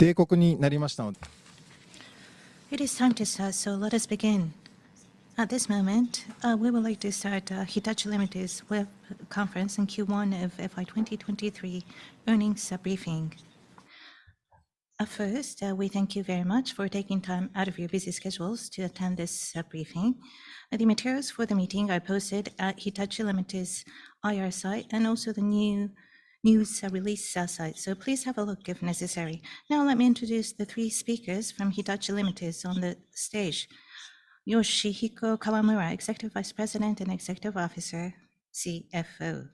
It is time to start, so let us begin. At this moment, we would like to start Hitachi, Ltd.'s web conference in Q1 of FY 2023 earnings briefing. First, we thank you very much for taking time out of your busy schedules to attend this briefing. The materials for the meeting are posted at Hitachi, Ltd.'s IR site, and also the news release site, so please have a look if necessary. Now, let me introduce the three speakers from Hitachi, Ltd. on the stage. Yoshihiko Kawamura, Executive Vice President and Executive Officer, CFO.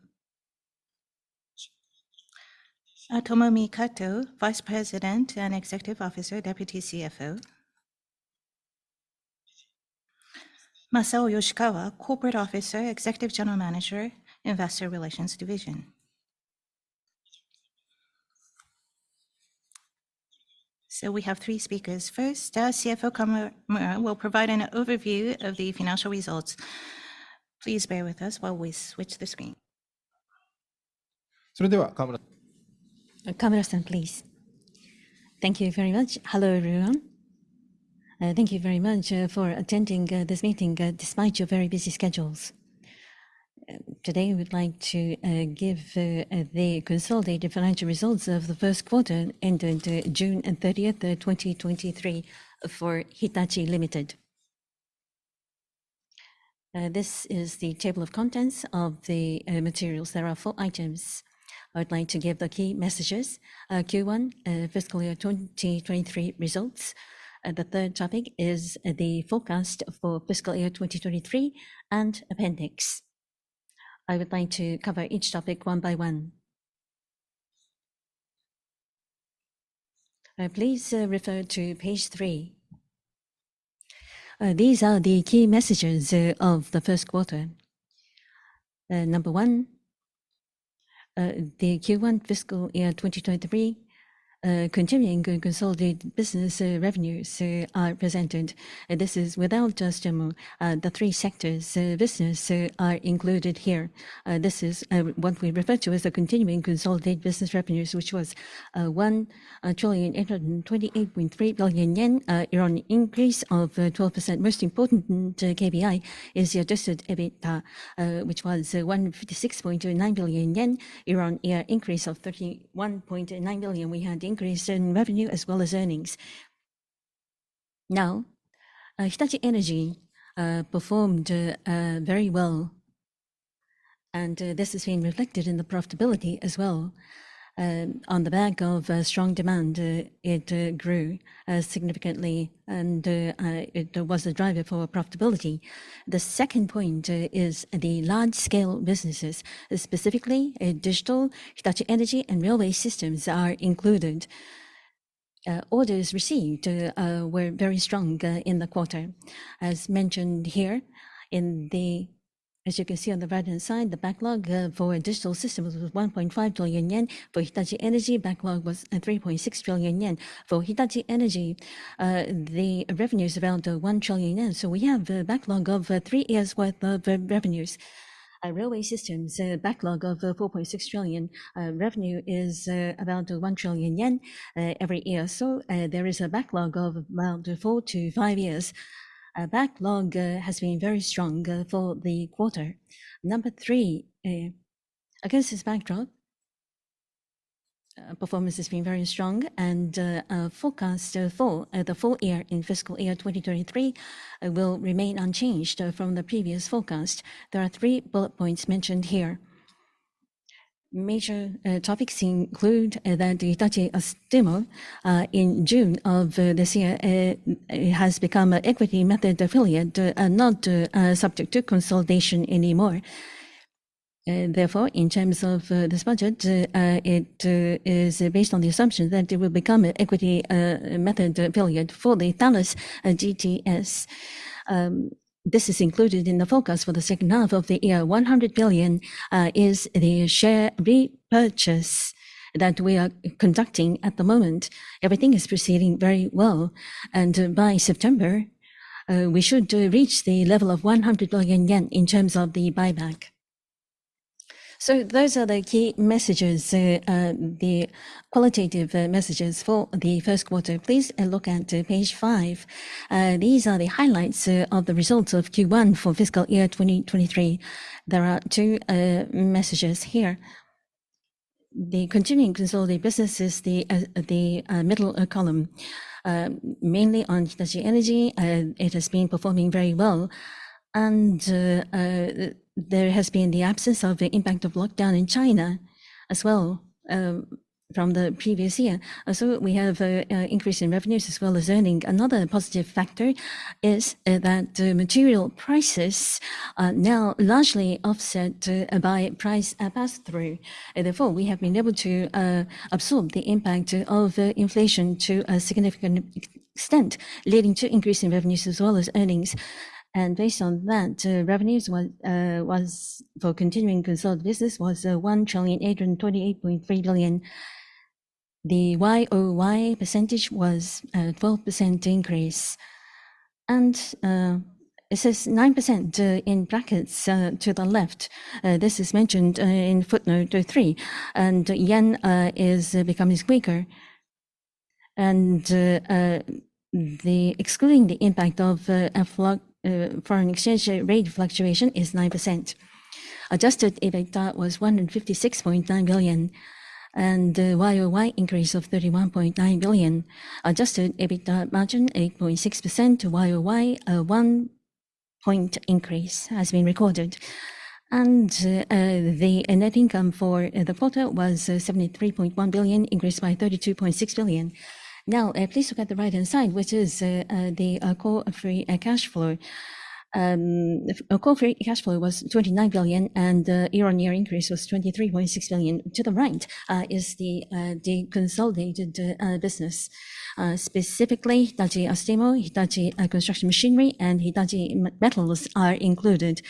Tomomi Kato, Vice President and Executive Officer, Deputy CFO. Masao Yoshikawa, Corporate Officer, Executive General Manager, Investor Relations Division. We have three speakers. First, our CFO, Kawamura, will provide an overview of the financial results. Please bear with us while we switch the screen. Kawamura-san, please. Thank you very much. Hello, everyone. Thank you very much for attending this meeting despite your very busy schedules. Today we'd like to give the consolidated financial results of the first quarter ending June 30, 2023 for Hitachi, Ltd. This is the table of contents of the materials. There are four items. I would like to give the key messages. Q1 FY 2023 results, and the third topic is the forecast for FY 2023, and appendix. I would like to cover each topic one by one. Please refer to page three. These are the key messages of the first quarter. Number one, the Q1 FY 2023 continuing consolidated business revenues are presented, and this is without just the three sectors. Business are included here. This is what we refer to as the continuing consolidated business revenues, which was 1,828.3 billion yen, year-on increase of 12%. Most important KPI is the Adjusted EBITDA, which was 156.29 billion yen, year-on-year increase of 31.9 billion. We had increase in revenue as well as earnings. Hitachi Energy performed very well, and this has been reflected in the profitability as well. On the back of a strong demand, it grew significantly, and it was a driver for profitability. The second point is the large scale businesses, specifically, Digital, Hitachi Energy, and Railway Systems are included. Orders received were very strong in the quarter. As mentioned here, in the As you can see on the right-hand side, the backlog for Digital Systems was 1.5 trillion yen. For Hitachi Energy, backlog was 3.6 trillion yen. For Hitachi Energy, the revenue is around 1 trillion yen, so we have a backlog of three years' worth of revenues. Railway Systems, backlog of 4.6 trillion, revenue is around 1 trillion yen every year. There is a backlog of around 4-5 years. Backlog has been very strong for the quarter. Number 3, against this backdrop, performance has been very strong, and our forecast for the full year in FY 2023 will remain unchanged from the previous forecast. There are three bullet points mentioned here. Major topics include that Hitachi Astemo in June of this year, it has become an equity method affiliate, not subject to consolidation anymore. Therefore, in terms of this budget, it is based on the assumption that it will become an equity method affiliate for the Thales GTS. This is included in the forecast for the second half of the year. 100 billion is the share repurchase that we are conducting at the moment. Everything is proceeding very well, and by September, we should reach the level of 100 billion yen in terms of the buyback. Those are the key messages, the qualitative messages for the 1st quarter. Please look at page 5. These are the highlights of the results of Q1 for fiscal year 2023. There are two messages here. The continuing consolidated business is the middle column. Mainly on Hitachi Energy, it has been performing very well, and there has been the absence of the impact of lockdown in China as well from the previous year. We have an increase in revenues as well as earning. Another positive factor is that the material prices are now largely offset by price pass-through. Therefore, we have been able to absorb the impact of inflation to a significant extent, leading to increase in revenues as well as earnings. Based on that, revenues was for continuing consolidated business was 1,828.3 billion. The YoY percentage was a 12% increase. It says 9% in brackets to the left, this is mentioned in footnote 3. Yen is becoming weaker, and excluding the impact of FX foreign exchange rate fluctuation is Adjusted EBITDA was 156.9 billion, and YoY increase of 31.9 Adjusted EBITDA margin, 8.6% to YoY, 1 point increase has been recorded. The net income for the quarter was 73.1 billion, increased by 32.6 billion. Now, please look at the right-hand side, which is the core free cash flow. The core free cash flow was 29 billion, and the year-on-year increase was 23.6 billion. To the right is the consolidated business, specifically Hitachi Astemo, Hitachi Construction Machinery, and Hitachi Metals are included.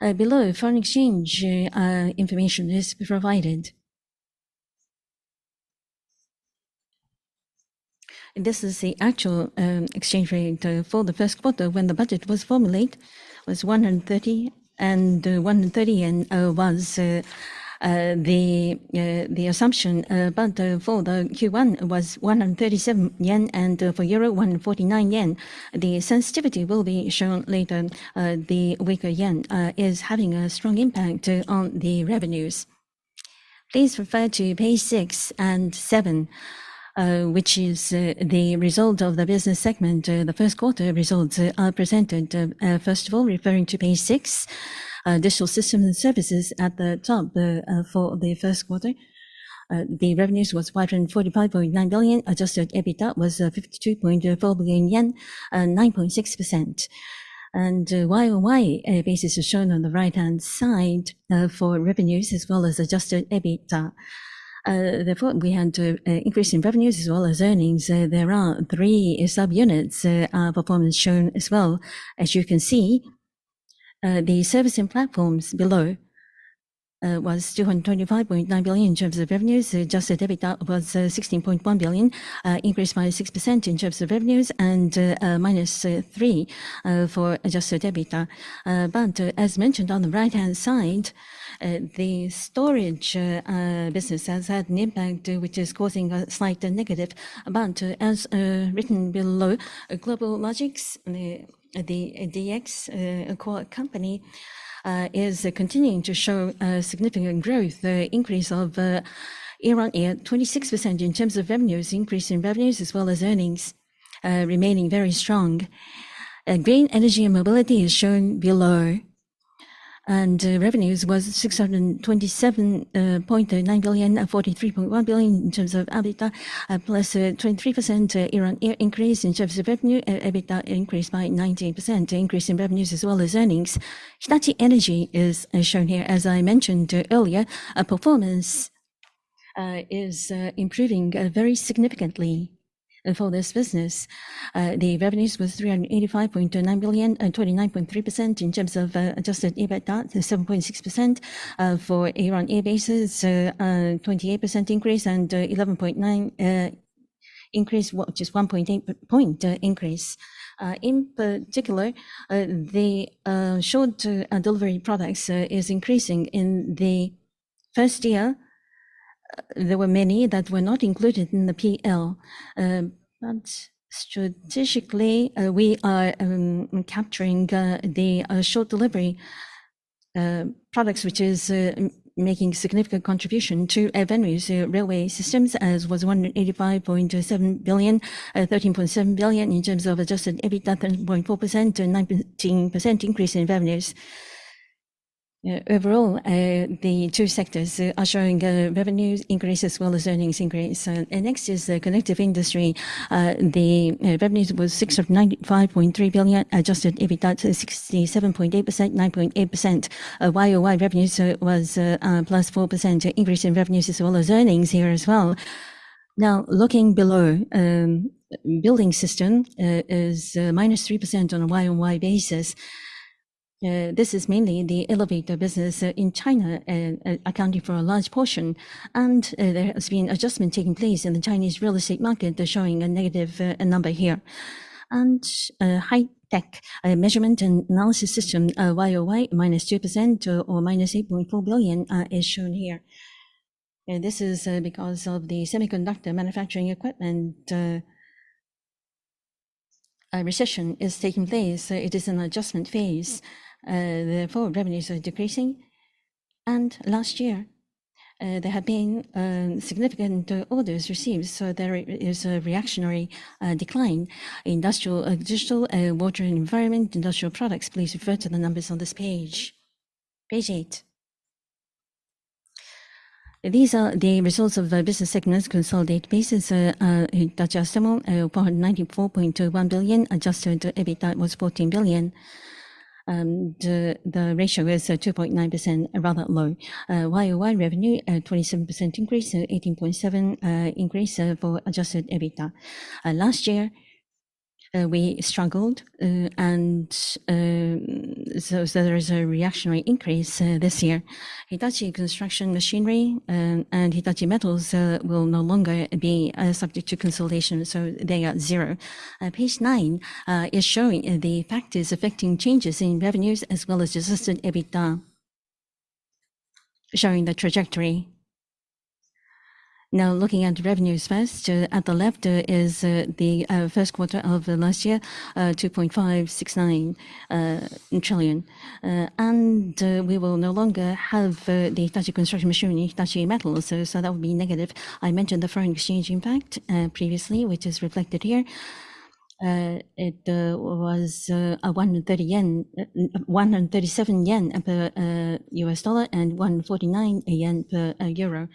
Below, foreign exchange information is provided. This is the actual exchange rate for the first quarter. When the budget was formulated, was 130, and was the assumption, but for the Q1 was 137 yen, and for Euro, 149 yen. The sensitivity will be shown later. The weaker yen is having a strong impact on the revenues. Please refer to page 6 and 7, which is the result of the business segment. The first quarter results are presented. First of all, referring to page 6, Digital System and Services at the top, for the first quarter. The revenues was 545.9 Adjusted EBITDA was 52.4 billion yen, and 9.6%. YOY basis is shown on the right-hand side, for revenues as well Adjusted EBITDA. therefore, we had an increase in revenues as well as earnings. There are three subunits performance shown as well. As you can see, the service and platforms below, was 225.9 billion in terms of Adjusted EBITDA was 16.1 billion, increased by 6% in terms of revenues, and -3% for Adjusted EBITDA. As mentioned on the right-hand side, the storage business has had an impact, which is causing a slight negative. As written below, GlobalLogic, the DX core company, is continuing to show significant growth, increase of year-on-year, 26% in terms of revenues, increase in revenues as well as earnings, remaining very strong. Green Energy & Mobility is shown below. Revenues was 627.9 billion, and 43.1 billion in terms of EBITDA. 23% year-on-year increase in terms of revenue, and EBITDA increased by 19%, increase in revenues as well as earnings. Hitachi Energy is shown here. As I mentioned earlier, our performance is improving very significantly for this business. The revenues was 385.9 billion, and 29.3% in terms Adjusted EBITDA, to 7.6% for year-over-year basis. 28% increase, and 11.9 increase, just 1.8 point increase. In particular, the short delivery products is increasing. In the first year, there were many that were not included in the PL. Strategically, we are capturing the short delivery products, which is making significant contribution to our revenues. Railway systems, as was 185.7 billion, 13.7 billion in terms Adjusted EBITDA, and 0.4%, and 19% increase in revenues. Overall, the two sectors are showing revenues increase as well as earnings increase. Next is the connective industry. The revenues was 695.3 Adjusted EBITDA to 67.8%, 9.8%. YOY revenues was +4% increase in revenues as well as earnings here as well. Now, looking below, Building System is -3% on a YOY basis. This is mainly the elevator business in China, accounting for a large portion, and there has been adjustment taking place in the Chinese real estate market, showing a negative number here. High tech measurement and analysis system YOY, -2%, or -8.4 billion, is shown here. This is because of the semiconductor manufacturing equipment, a recession is taking place, so it is an adjustment phase. Therefore, revenues are decreasing. Last year, there have been significant orders received, so there is a reactionary decline. Industrial, digital, water and environment, industrial products, please refer to the numbers on this page. Page 8. These are the results of the business segments, consolidated basis, Hitachi Astemo, 0.941 Adjusted EBITDA was 14 billion. The ratio is 2.9%, rather low. YOY revenue, 27% increase, so 18.7 increase Adjusted EBITDA. last year, we struggled, and so, so there is a reactionary increase this year. Hitachi Construction Machinery, and Hitachi Metals, will no longer be subject to consolidation, so they are zero. Page 9 is showing the factors affecting changes in revenues as well as Adjusted EBITDA. Showing the trajectory. Now, looking at revenues first, at the left is the first quarter of last year, 2.569 trillion. We will no longer have the Hitachi Construction Machinery and Hitachi Metals, so that will be negative. I mentioned the foreign exchange impact previously, which is reflected here. It was a 130 yen, 137 yen per U.S. dollar, and 149 yen per euro,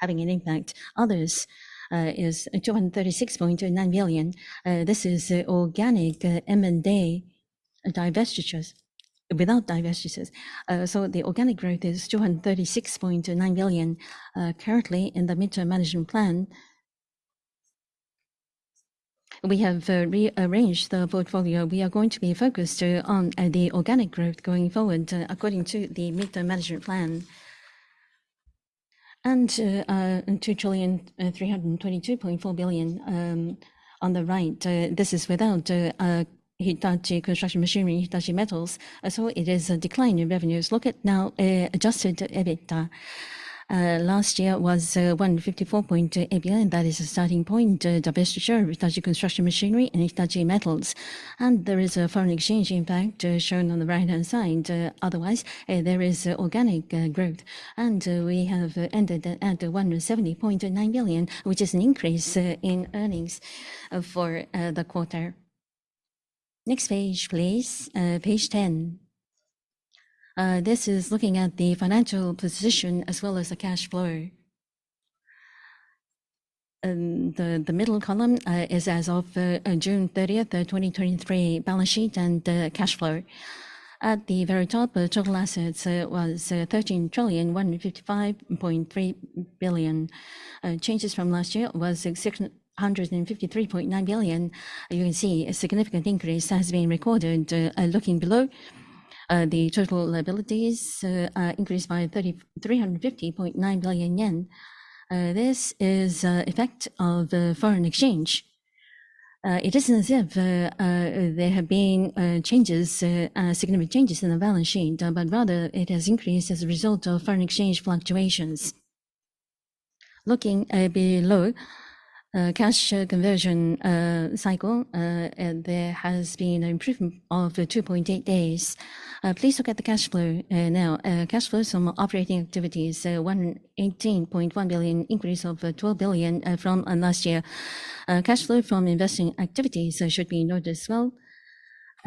having an impact. Others is 236.9 billion. This is organic M&A divestitures, without divestitures. The organic growth is 236.9 billion. Currently, in the midterm management plan, we have rearranged the portfolio. We are going to be focused on the organic growth going forward according to the midterm management plan. 2,322.4 billion on the right, this is without Hitachi Construction Machinery and Hitachi Metals. It is a decline in revenues. Look at Adjusted EBITDA. last year was 154.8 billion. That is a starting point, divestiture of Hitachi Construction Machinery and Hitachi Metals. There is a foreign exchange impact shown on the right-hand side. Otherwise, there is organic growth, and we have ended at, at 170.9 billion, which is an increase in earnings for the quarter. Next page, please, page 10. This is looking at the financial position as well as the cash flow. The middle column is as of June 30th, 2023 balance sheet and the cash flow. At the very top, the total assets was 13,155.3 billion. Changes from last year was 653.9 billion. You can see a significant increase has been recorded. Looking below, the total liabilities increased by 3,350.9 billion yen. This is effect of the foreign exchange. It isn't as if there have been changes, significant changes in the balance sheet, but rather it has increased as a result of foreign exchange fluctuations. Looking below, cash conversion cycle, there has been an improvement of 2.8 days. Please look at the cash flow now. Cash flows from operating activities, 118.1 billion, increase of 12 billion from last year. Cash flow from investing activities should be noted as well.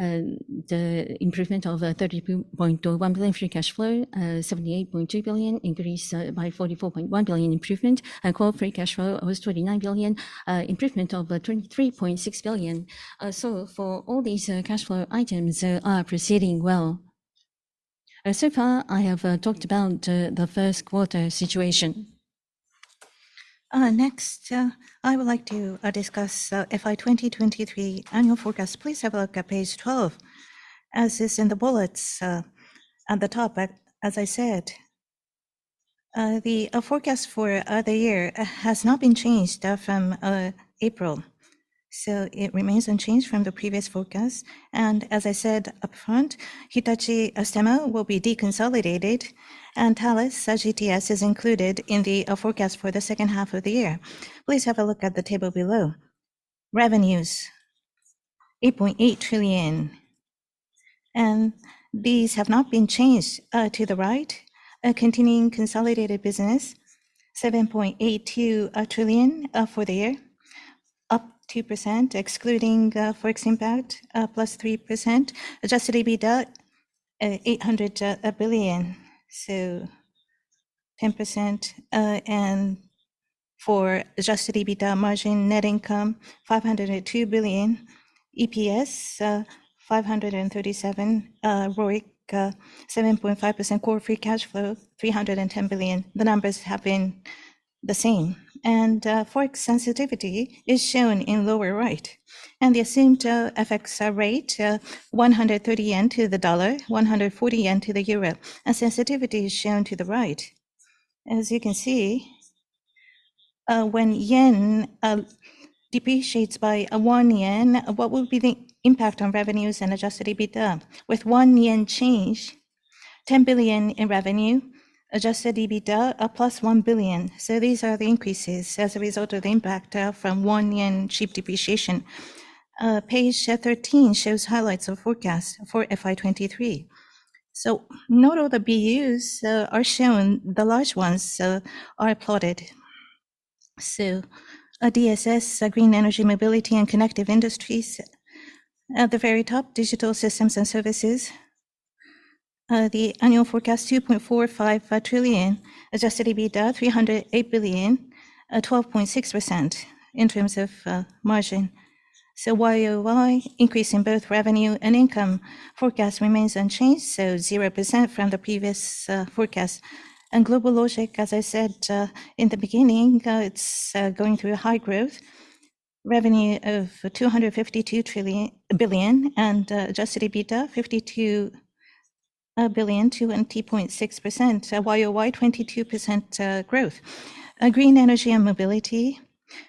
The improvement of 30.1 billion free cash flow, 78.2 billion, increased by 44.1 billion improvement. Core free cash flow was 29 billion, improvement of 23.6 billion. For all these cash flow items are proceeding well. So far, I have talked about the first quarter situation. Next, I would like to discuss FY 2023 annual forecast. Please have a look at page 12. As is in the bullets, at the top, as I said, the forecast for the year has not been changed from April, so it remains unchanged from the previous forecast. As I said upfront, Hitachi Astemo will be deconsolidated, and Thales GTS is included in the forecast for the second half of the year. Please have a look at the table below. Revenues, 8.8 trillion, and these have not been changed. To the right, continuing consolidated business, 7.82 trillion for the year, up 2%, excluding FX impact, +3% Adjusted EBITDA, JPY 800 billion, so 10%. And Adjusted EBITDA margin, net income, 502 billion. EPS, 537, ROIC, 7.5%. Core free cash flow, 310 billion. The numbers have been the same. FX sensitivity is shown in lower right, and the assumed FX rate, 130 yen to the USD, JPY 140 to the EUR. Sensitivity is shown to the right. As you can see, when yen depreciates by 1 yen, what will be the impact on revenues Adjusted EBITDA? with 1 yen change, 10 billion in Adjusted EBITDA, jPY +1 billion. These are the increases as a result of the impact from 1 yen cheap depreciation. Page 13 shows highlights and forecast for FY 2023. Not all the BUs are shown, the large ones are plotted. DSS, Green Energy, Mobility, and Connective Industries. At the very top, Digital Systems and Services, the annual forecast, 2.45 Adjusted EBITDA, 308 billion, 12.6% in terms of margin. YOY increase in both revenue and income forecast remains unchanged, so 0% from the previous forecast. Global Logic, as I said in the beginning, it's going through a high growth. Revenue of 252 billion, Adjusted EBITDA, 52 billion, 20.6%. YOY, 22% growth. Green Energy and Mobility.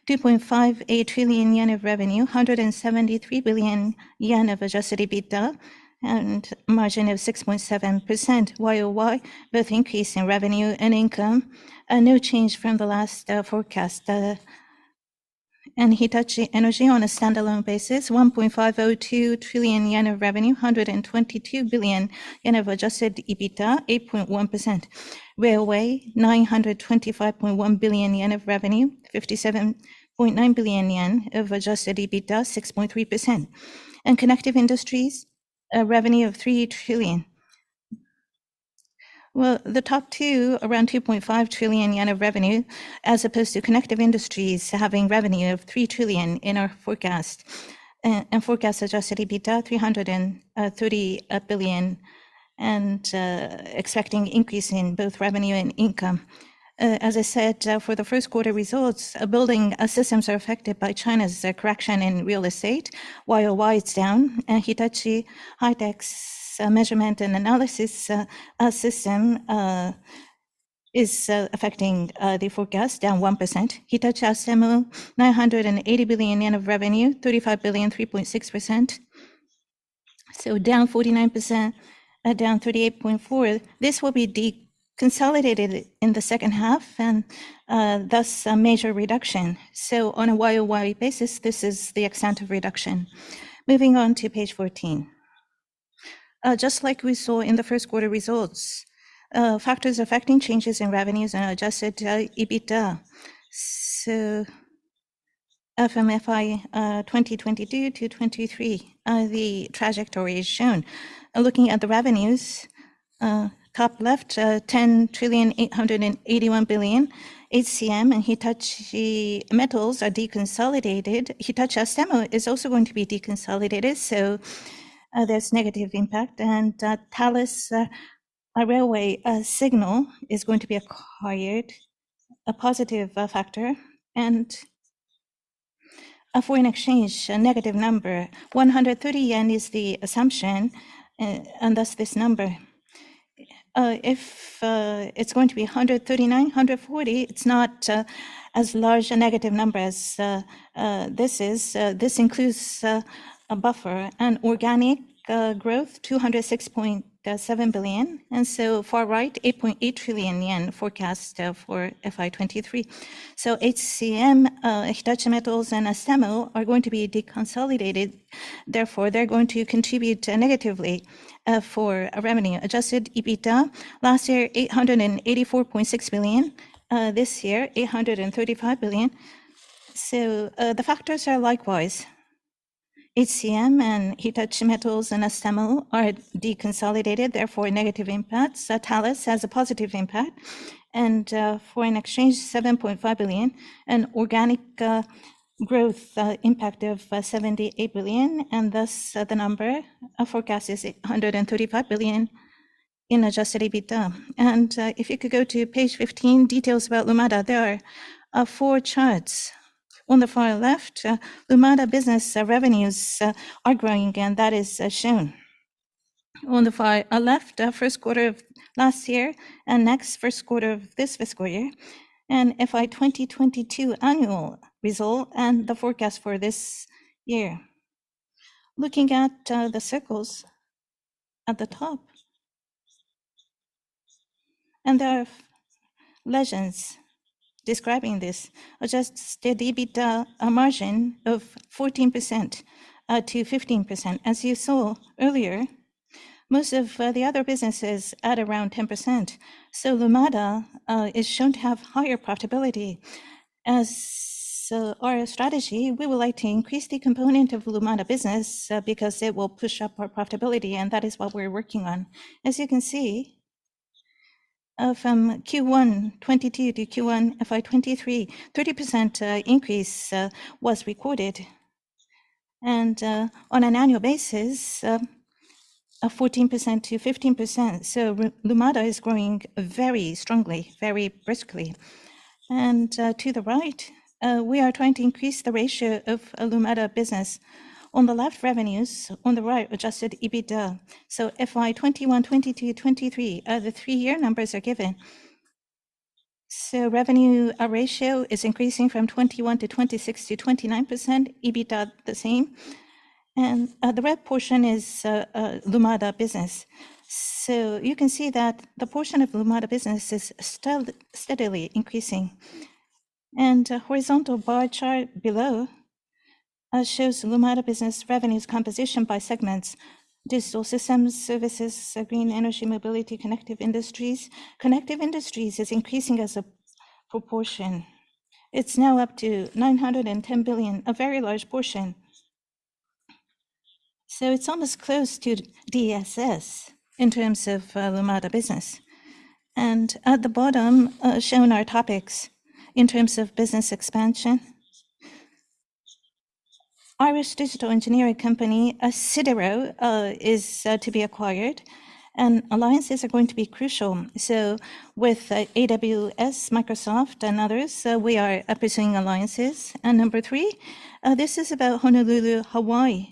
2.58 trillion yen of revenue, 173 billion yen Adjusted EBITDA, and margin of 6.7% YOY, both increase in revenue and income. No change from the last forecast. Hitachi Energy on a standalone basis, 1.502 trillion yen of revenue, 122 billion yen Adjusted EBITDA, 8.1%. Railway, 925.1 billion yen of revenue, 57.9 billion yen Adjusted EBITDA, 6.3%. Connective Industries, a revenue of 3 trillion. Well, the top two, around 2.5 trillion yen of revenue, as opposed to Connective Industries having revenue of 3 trillion in our forecast, and Adjusted EBITDA, 330 billion, and expecting increase in both revenue and income. As I said, for the first quarter results, building systems are affected by China's correction in real estate. YOY it's down, and Hitachi High-Tech's measurement and analysis system is affecting the forecast, down 1%. Hitachi Astemo, 980 billion yen of revenue, 35 billion, 3.6%. Down 49%, down 38.4%. This will be deconsolidated in the second half, and thus, a major reduction. On a YOY basis, this is the extent of reduction. Moving on to page 14. Just like we saw in the first quarter results, factors affecting changes in revenues Adjusted EBITDA. from FY 2022 to 2023, the trajectory is shown. Looking at the revenues, top left, 10,881 billion, HCM and Hitachi Metals are deconsolidated. Hitachi Astemo is also going to be deconsolidated, so there's negative impact. Thales Railway Signal is going to be acquired, a positive factor, and a foreign exchange, a negative number. 130 yen is the assumption, and thus this number. If it's going to be 139, 140, it's not as large a negative number as this is. This includes a buffer. Organic growth, 206.7 billion, and so far right, 8.8 trillion yen forecast for FY 2023. HCM, Hitachi Metals, and Astemo are going to be deconsolidated. Therefore, they're going to contribute negatively for revenue. Adjusted EBITDA, last year, 884.6 billion. This year, 835 billion. The factors are likewise. HCM and Hitachi Metals and Astemo are deconsolidated, therefore, negative impacts. Thales has a positive impact. Foreign exchange, 7.5 billion. Organic growth impact of 78 billion, and thus, the number forecast is 835 billion Adjusted EBITDA. if you could go to page 15, details about Lumada. There are four charts. On the far left, Lumada business revenues are growing, and that is shown. On the far left, first quarter of last year, and next, first quarter of this fiscal year, and FY 2022 annual result, and the forecast for this year. Looking at the circles at the top There are legends describing Adjusted EBITDA, a margin of 14%-15%. As you saw earlier, most of the other businesses at around 10%, so Lumada is shown to have higher profitability. As our strategy, we would like to increase the component of Lumada business because it will push up our profitability, and that is what we're working on. As you can see, from Q1 2022 to Q1 FY 2023, 30% increase was recorded, and on an annual basis, 14%-15%. Lumada is growing very strongly, very briskly. To the right, we are trying to increase the ratio of Lumada business. On the left, revenues. On the Adjusted EBITDA. FY 2021, FY 2022, FY 2023, the three-year numbers are given. Revenue ratio is increasing from 21% to 26% to 29%. EBITDA, the same. The red portion is Lumada business. You can see that the portion of Lumada business is still steadily increasing. A horizontal bar chart below shows Lumada business revenues composition by segments: Digital Systems, Services, Green Energy, Mobility, Connective Industries. Connective Industries is increasing as a proportion. It's now up to 910 billion, a very large portion. It's almost close to DSS in terms of Lumada business. At the bottom, shown are topics in terms of business expansion. Irish digital engineering company, Sidero, is to be acquired, and alliances are going to be crucial. With AWS, Microsoft, and others, we are pursuing alliances. Number 3, this is about Honolulu, Hawaii.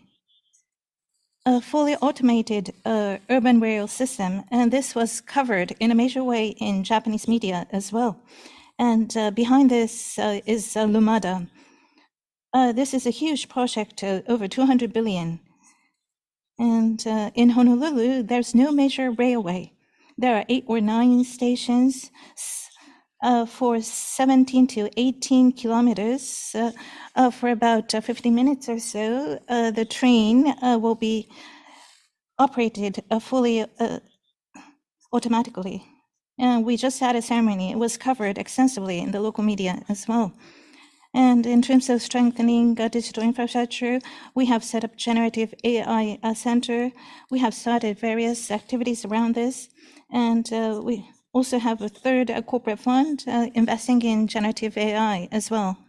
a fully automated urban rail system. This was covered in a major way in Japanese media as well. Behind this is Lumada. This is a huge project, over 200 billion. In Honolulu, there's no major railway. There are eight or nine stations, for 17 km-18 km. For about 50 minutes or so, the train will be operated fully automatically. We just had a ceremony. It was covered extensively in the local media as well. In terms of strengthening our digital infrastructure, we have set up generative AI center. We have started various activities around this. We also have a third, a corporate fund, investing in generative AI as well.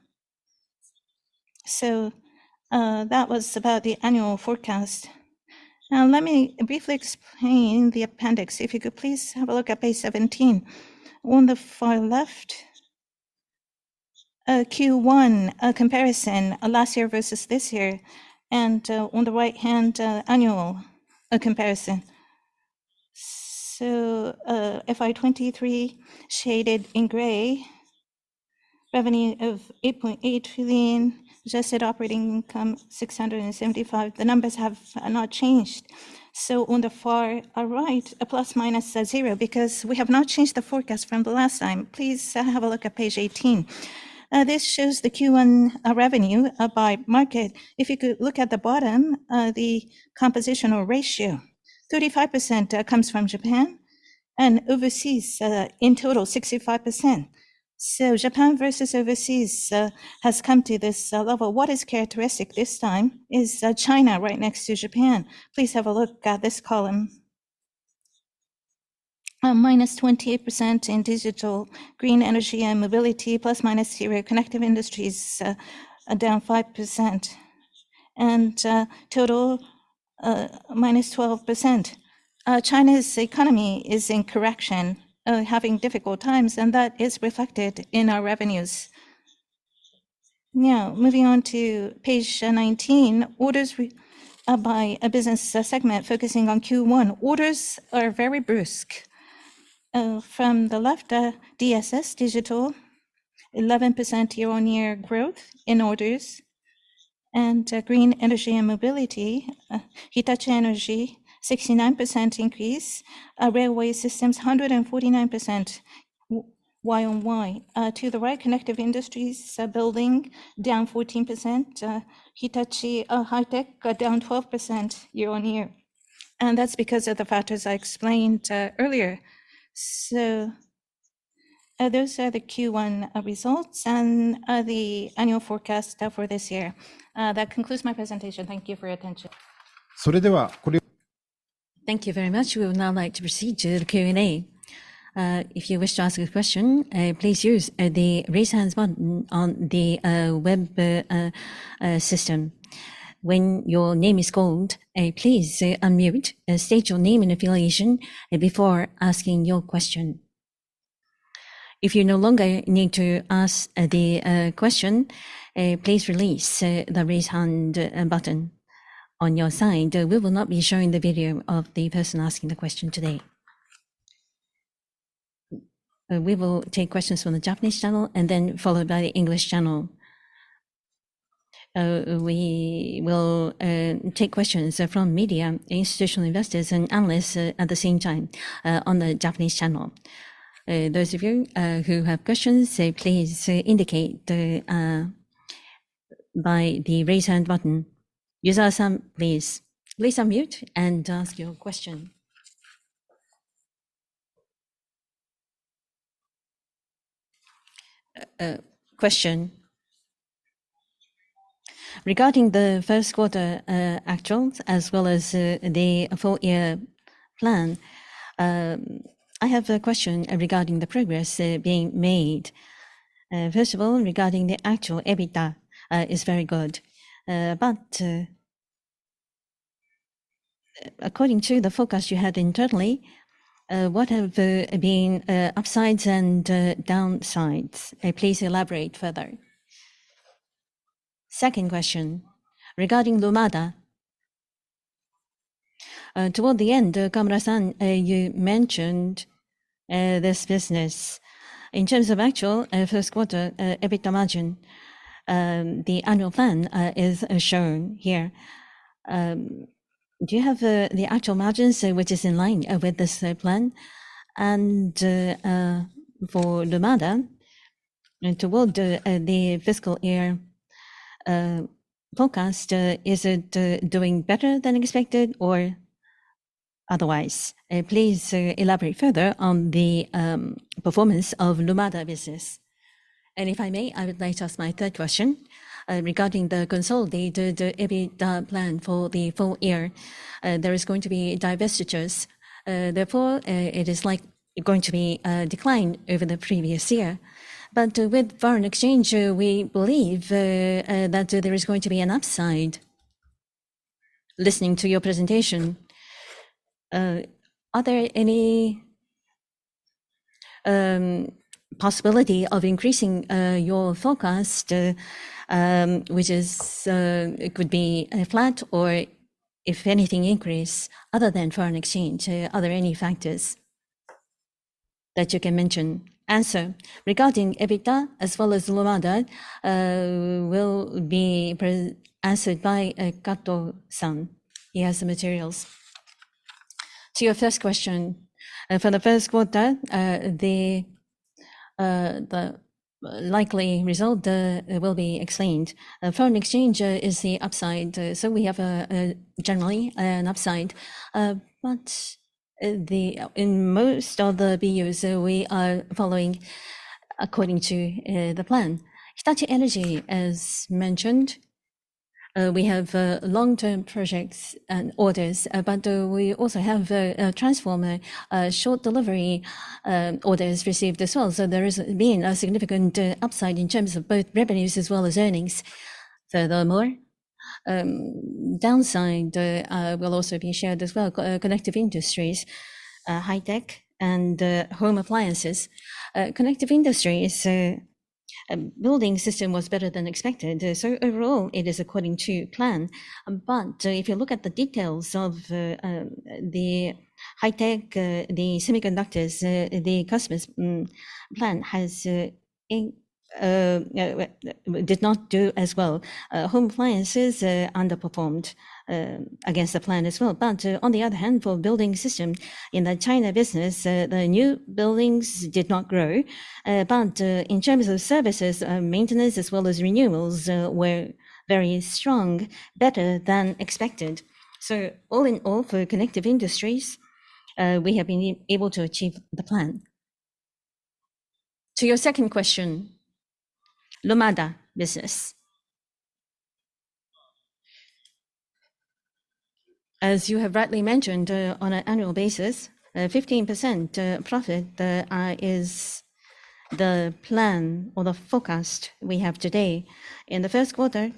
That was about the annual forecast. Now, let me briefly explain the appendix. If you could please have a look at page 17. On the far left, Q1, a comparison, last year versus this year, on the right-hand, annual comparison. FY 2023 shaded in gray, revenue of 8.8 trillion, adjusted operating income, 675. The numbers have not changed. On the far right, a ±0, because we have not changed the forecast from the last time. Please have a look at page 18. This shows the Q1 revenue by market. If you could look at the bottom, the composition or ratio, 35% comes from Japan, and overseas, in total, 65%. Japan versus overseas has come to this level. What is characteristic this time is China right next to Japan. Please have a look at this column. Minus 28% in digital, green energy and mobility, ±0. Connective industries are down 5%, total minus 12%. China's economy is in correction, having difficult times, that is reflected in our revenues. Now, moving on to page 19, orders by a business segment focusing on Q1. Orders are very brisk. From the left, DSS, digital, 11% year-on-year growth in orders, green energy and mobility, Hitachi Energy, 69% increase. Railway systems, 149% YoY. To the right, connective industries, building, down 14%. Hitachi High-Tech, down 12% year-on-year, that's because of the factors I explained earlier. Those are the Q1 results and the annual forecast for this year. That concludes my presentation. Thank you for your attention. Thank you very much. We would now like to proceed to the Q&A. If you wish to ask a question, please use the raise hand button on the web system. When your name is called, please unmute, state your name and affiliation before asking your question. If you no longer need to ask the question, please release the raise hand button on your side. We will not be showing the video of the person asking the question today. We will take questions from the Japanese channel and then followed by the English channel. We will take questions from media, institutional investors, and analysts at the same time on the Japanese channel. Those of you who have questions, please indicate by the raise hand button. Yusawa-san, please. Please unmute and ask your question. Question. Regarding the Q1 actuals, as well as the full-year plan, I have a question regarding the progress being made. First of all, regarding the actual EBITDA is very good. According to the forecast you had internally, what have been upsides and downsides? Please elaborate further. Second question, regarding Lumada, toward the end, Kawamura-san, you mentioned this business. In terms of actual Q1 EBITDA margin, the annual plan is shown here. Do you have the actual margins which is in line with this plan? For Lumada, toward the fiscal year forecast, is it doing better than expected or otherwise? Please elaborate further on the performance of Lumada business. If I may, I would like to ask my third question regarding the consolidated EBITDA plan for the full year. There is going to be divestitures, therefore, it is like going to be a decline over the previous year. With foreign exchange, we believe that there is going to be an upside. Listening to your presentation, are there any possibility of increasing your forecast, which is, it could be flat or if anything, increase other than foreign exchange? Are there any factors that you can mention? Regarding EBITDA, as well as Lumada, will be answered by Kato-san. He has the materials. To your first question, for the first quarter, the likely result will be explained. Foreign exchange is the upside. We have a generally an upside. The, in most of the views, we are following according to the plan. Hitachi Energy, as mentioned, we have long-term projects and orders, we also have a transformer, short delivery, orders received as well. There has been a significant upside in terms of both revenues as well as earnings. Furthermore, downside will also be shared as well. Connected Industries, High-Tech, Home Appliances. Connected Industry is, building system was better than expected, so overall, it is according to plan. If you look at the details of the High-Tech, the semiconductors, the customer's plan has in did not do as well. Home Appliances underperformed against the plan as well. On the other hand, for building systems in the China business, the new buildings did not grow. In terms of services, maintenance as well as renewals were very strong, better than expected. All in all, for Connected Industries, we have been able to achieve the plan. To your second question, Lumada business. As you have rightly mentioned, on an annual basis, 15% profit is the plan or the forecast we have today. In the first quarter,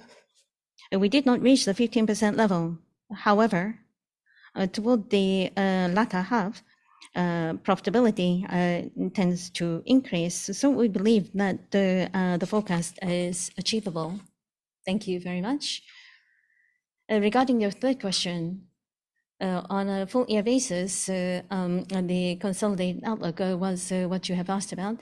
we did not reach the 15% level. However, toward the latter half, profitability tends to increase, so we believe that the forecast is achievable. Thank you very much. Regarding your third question, on a full year basis, the consolidated outlook was what you have asked about.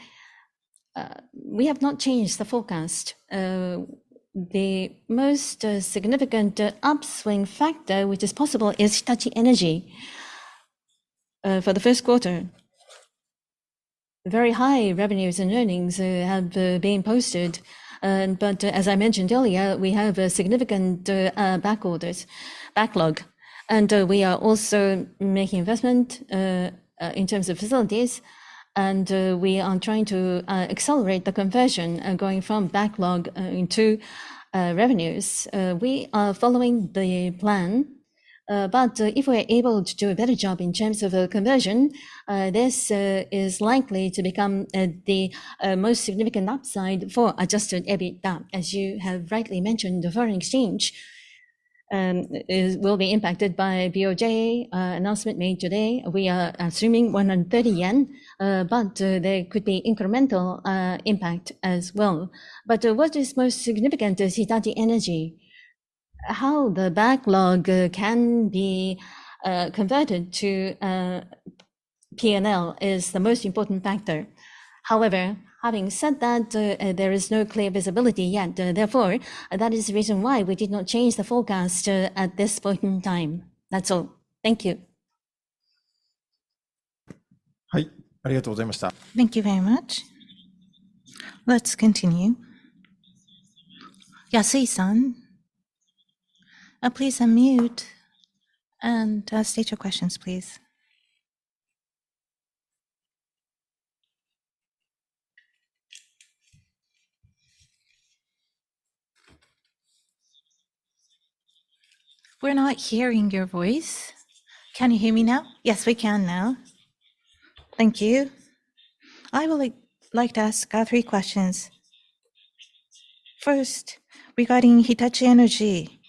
We have not changed the forecast. The most significant upswing factor, which is possible, is Hitachi Energy. For the first quarter, very high revenues and earnings have been posted. As I mentioned earlier, we have a significant back orders, backlog, and we are also making investment in terms of facilities, and we are trying to accelerate the conversion going from backlog into revenues. We are following the plan, if we're able to do a better job in terms of the conversion, this is likely to become the most significant upside Adjusted EBITDA. as you have rightly mentioned, the foreign exchange will be impacted by BOJ announcement made today. We are assuming 130 yen, there could be incremental impact as well. What is most significant is Hitachi Energy. How the backlog can be converted to P&L is the most important factor. However, having said that, there is no clear visibility yet. Therefore, that is the reason why we did not change the forecast at this point in time. That's all. Thank you. Hi, Thank you very much. Let's continue. Yasui-san, please unmute and state your questions, please. We're not hearing your voice. Can you hear me now? Yes, we can now. Thank you. I would like, like to ask three questions. First, regarding Hitachi Energy.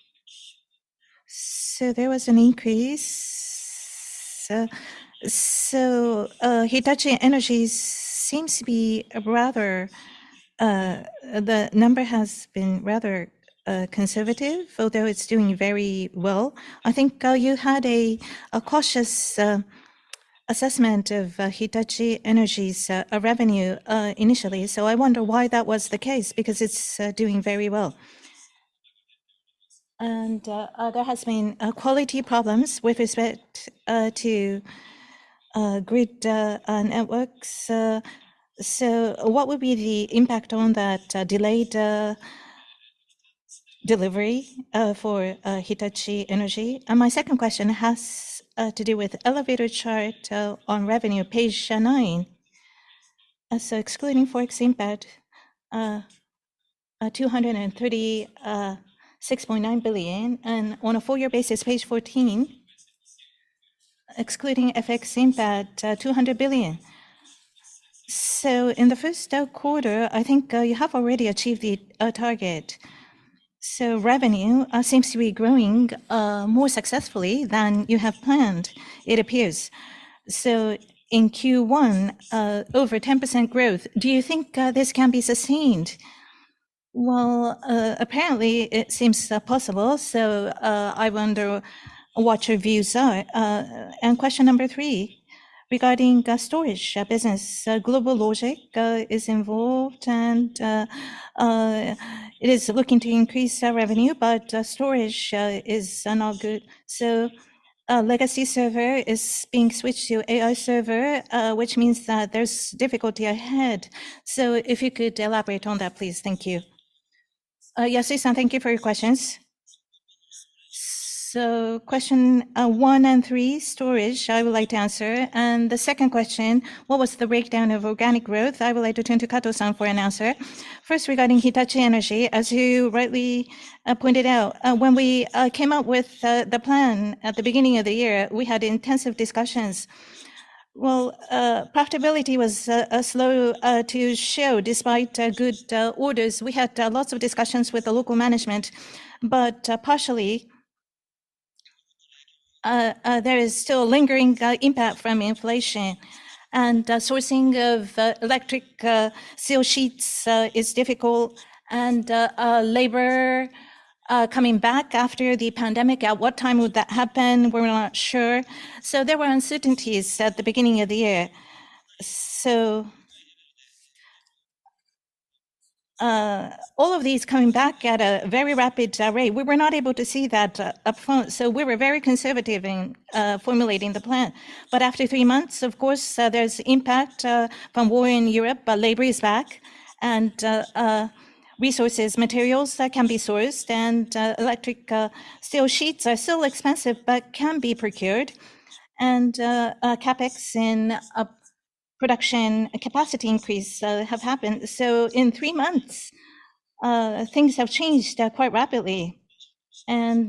There was an increase, so, so, Hitachi Energy seems to be a rather, the number has been rather, conservative, although it's doing very well. I think, you had a, a cautious, assessment of, Hitachi Energy's, revenue, initially, so I wonder why that was the case, because it's, doing very well. There has been, quality problems with respect, to, grid, networks, so what would be the impact on that, delayed, delivery, for, Hitachi Energy? My second question has, to do with elevator chart, on revenue, page 9. Excluding FX impact, 236.9 billion, and on a full year basis, page 14, excluding FX impact, 200 billion. In the 1st quarter, I think, you have already achieved the target. Revenue seems to be growing more successfully than you have planned, it appears. In Q1, over 10% growth, do you think this can be sustained? Well, apparently it seems possible, so I wonder what your views are. Question number 3, regarding the storage business. GlobalLogic is involved, and it is looking to increase our revenue, but storage is not good. A legacy server is being switched to AI server, which means that there's difficulty ahead. If you could elaborate on that, please. Thank you. Yasu-san, thank you for your questions. Question 1 and 3, storage, I would like to answer. The second question, what was the breakdown of organic growth? I would like to turn to Kato-san for an answer. First, regarding Hitachi Energy, as you rightly pointed out, when we came out with the plan at the beginning of the year, we had intensive discussions. Well, profitability was slow to show despite good orders. We had lots of discussions with the local management, but partially, there is still lingering impact from inflation. Sourcing of electric steel sheets is difficult, and labor coming back after the pandemic, at what time would that happen? We're not sure. There were uncertainties at the beginning of the year. All of these coming back at a very rapid rate, we were not able to see that upfront, so we were very conservative in formulating the plan. After three months, of course, there's impact from war in Europe, but labor is back, and resources, materials that can be sourced, and electric steel sheets are still expensive, but can be procured. A CapEx in a production capacity increase have happened. In three months, things have changed quite rapidly.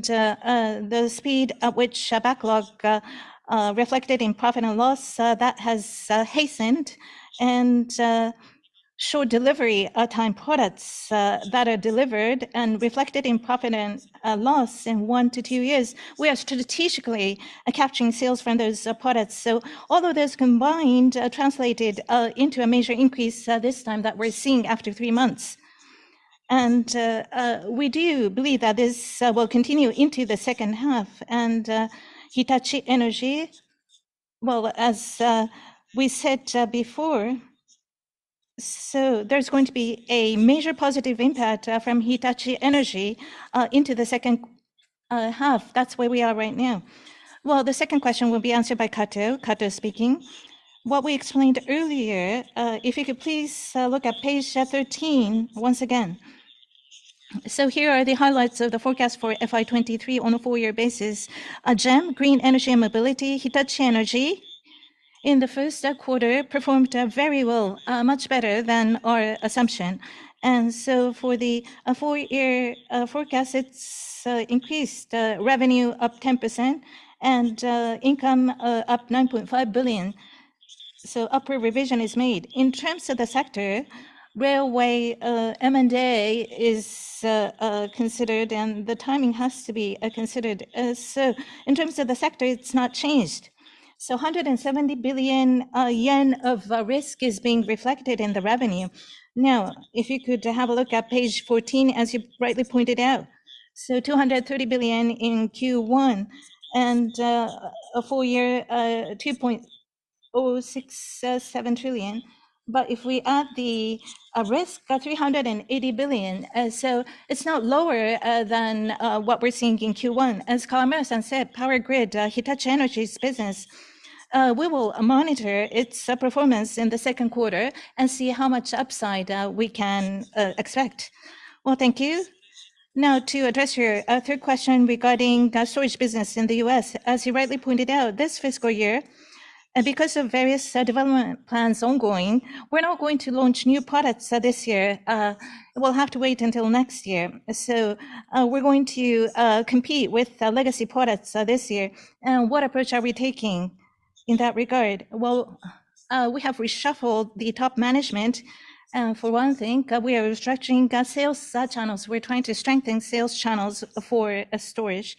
The speed at which a backlog reflected in profit and loss that has hastened, and short delivery time products that are delivered and reflected in profit and loss in 1-2 years, we are strategically capturing sales from those products. Although those combined translated into a major increase this time that we're seeing after three months. We do believe that this will continue into the second half. Hitachi Energy, well, as we said before, so there's going to be a major positive impact from Hitachi Energy into the second half. That's where we are right now. Well, the second question will be answered by Kato. Kato speaking. What we explained earlier, if you could please look at page 13 once again. Here are the highlights of the forecast for FY 2023 on a four-year basis. GEM, Green Energy and Mobility, Hitachi Energy, in the first quarter performed very well, much better than our assumption. For the four-year forecast, it's increased revenue up 10% and income up 9.5 billion, so upward revision is made. In terms of the sector, railway, M&A is considered, and the timing has to be considered. In terms of the sector, it's not changed. 170 billion yen of risk is being reflected in the revenue. Now, if you could have a look at page 14, as you rightly pointed out, 230 billion in Q1, and a full year 2.067 trillion. If we add the risk, 380 billion, so it's not lower than what we're seeing in Q1. As Kawamura-san said, power grid, Hitachi Energy's business, we will monitor its performance in the second quarter and see how much upside we can expect. Thank you. Now, to address your third question regarding the storage business in the U.S. As you rightly pointed out, this fiscal year, and because of various development plans ongoing, we're not going to launch new products this year. We'll have to wait until next year. We're going to compete with the legacy products this year. What approach are we taking in that regard? We have reshuffled the top management. For one thing, we are restructuring our sales channels. We're trying to strengthen sales channels for storage.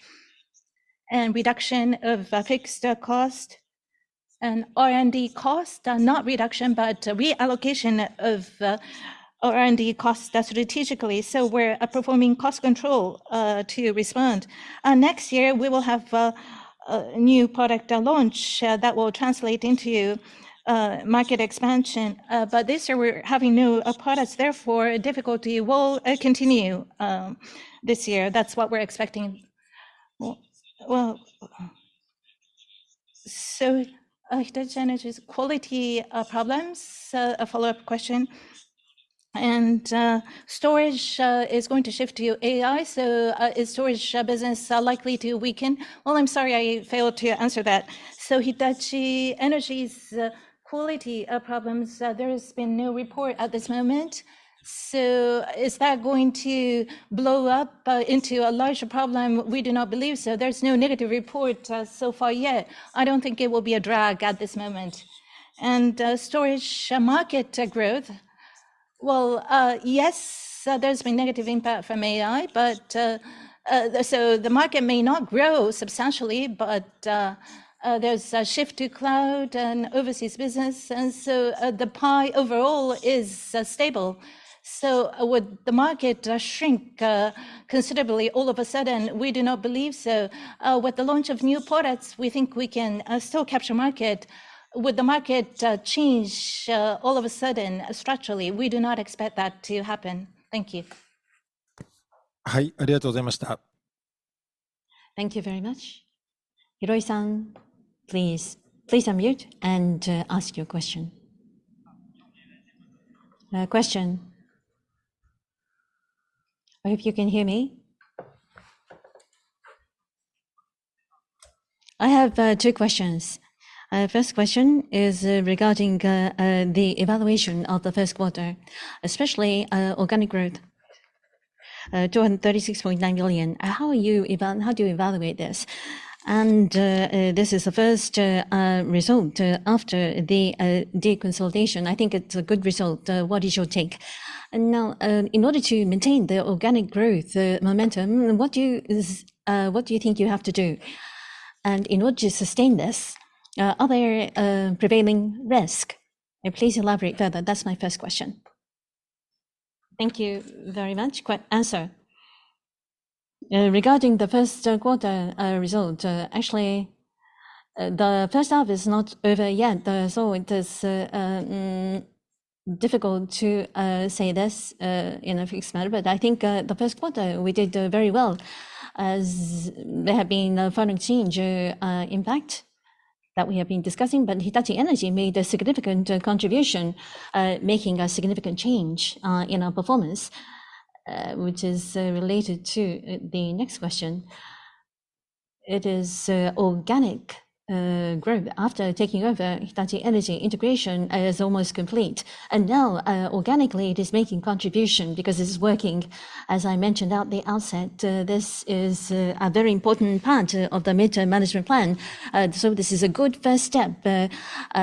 Reduction of fixed cost and R&D costs, not reduction, but reallocation of R&D costs strategically. We're performing cost control to respond. Next year, we will have a new product launch that will translate into market expansion. But this year we're having no products, therefore, difficulty will continue this year. That's what we're expecting. Well, Hitachi Energy's quality problems, a follow-up question, and storage is going to shift to AI, so is storage business likely to weaken? Well, I'm sorry I failed to answer that. Hitachi Energy's quality problems, there has been no report at this moment. Is that going to blow up into a larger problem? We do not believe so. There's no negative report so far yet. I don't think it will be a drag at this moment. Storage market growth-. Well, yes, so there's been negative impact from AI, but, so the market may not grow substantially, but, there's a shift to cloud and overseas business, and so, the pie overall is stable. Would the market shrink considerably all of a sudden? We do not believe so. With the launch of new products, we think we can still capture market. Would the market change all of a sudden structurally? We do not expect that to happen. Thank you. Hi, Thank you very much. Hiroi-san, please, please unmute and ask your question. Question? I hope you can hear me. I have two questions. First question is regarding the evaluation of the first quarter, especially organic growth, 236.9 million. How do you evaluate this? This is the first result after the deconsolidation. I think it's a good result. What is your take? Now, in order to maintain the organic growth, the momentum, what do you think you have to do? In order to sustain this, are there prevailing risk? Please elaborate further. That's my first question. Thank you very much. Answer. Regarding the first quarter result, actually, the first half is not over yet, so it is difficult to say this in a fixed matter. I think the first quarter, we did very well, as there have been a foreign exchange impact that we have been discussing. Hitachi Energy made a significant contribution, making a significant change in our performance, which is related to the next question. It is organic growth. After taking over Hitachi Energy, integration is almost complete, and now, organically it is making contribution because it's working. As I mentioned at the outset, this is a very important part of the mid-term management plan. This is a good first step, a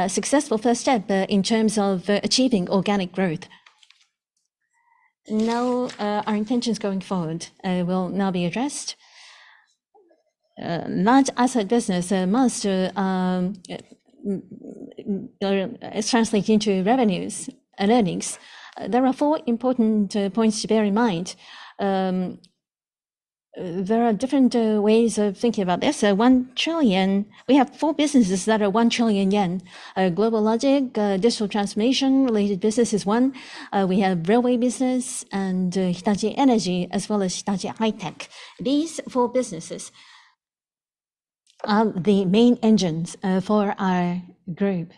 successful first step, in terms of achieving organic growth. Now, our intentions going forward, will now be addressed. Large asset business must is translating into revenues and earnings. There are four important points to bear in mind. There are different ways of thinking about this. We have four businesses that are 1 trillion yen. Global logic, digital transformation related business is one. We have railway business and Hitachi Energy, as well as Hitachi High-Tech. These four businesses are the main engines for our group.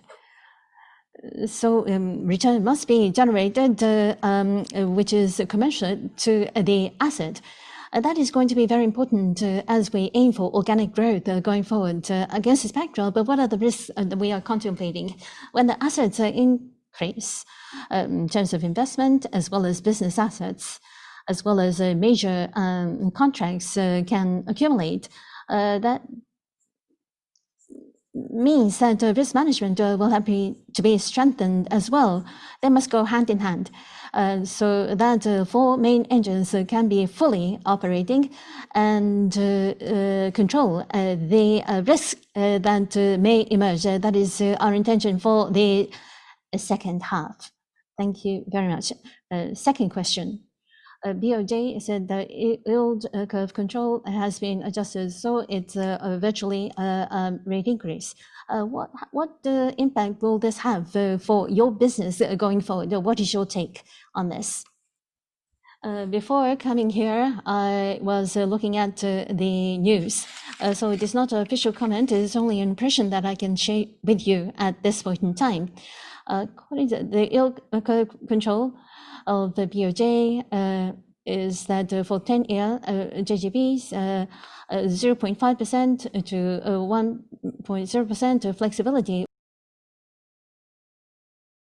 Return must be generated, which is commercial to the asset, and that is going to be very important as we aim for organic growth going forward against the backdrop. What are the risks that we are contemplating? When the assets are increase, in terms of investment as well as business assets, as well as major contracts, can accumulate, that means that risk management will have to be strengthened as well. They must go hand in hand, so that four main engines can be fully operating and control the risk that may emerge. That is our intention for the second half. Thank you very much. Second question. BOJ said that yield curve control has been adjusted, so it's a virtually rate increase. What, what impact will this have for, for your business going forward? What is your take on this? Before coming here, I was looking at the news. It is not an official comment, it is only an impression that I can share with you at this point in time. According to the yield curve control of the BOJ, is that for 10-year JGBs, 0.5% to 1.0% of flexibility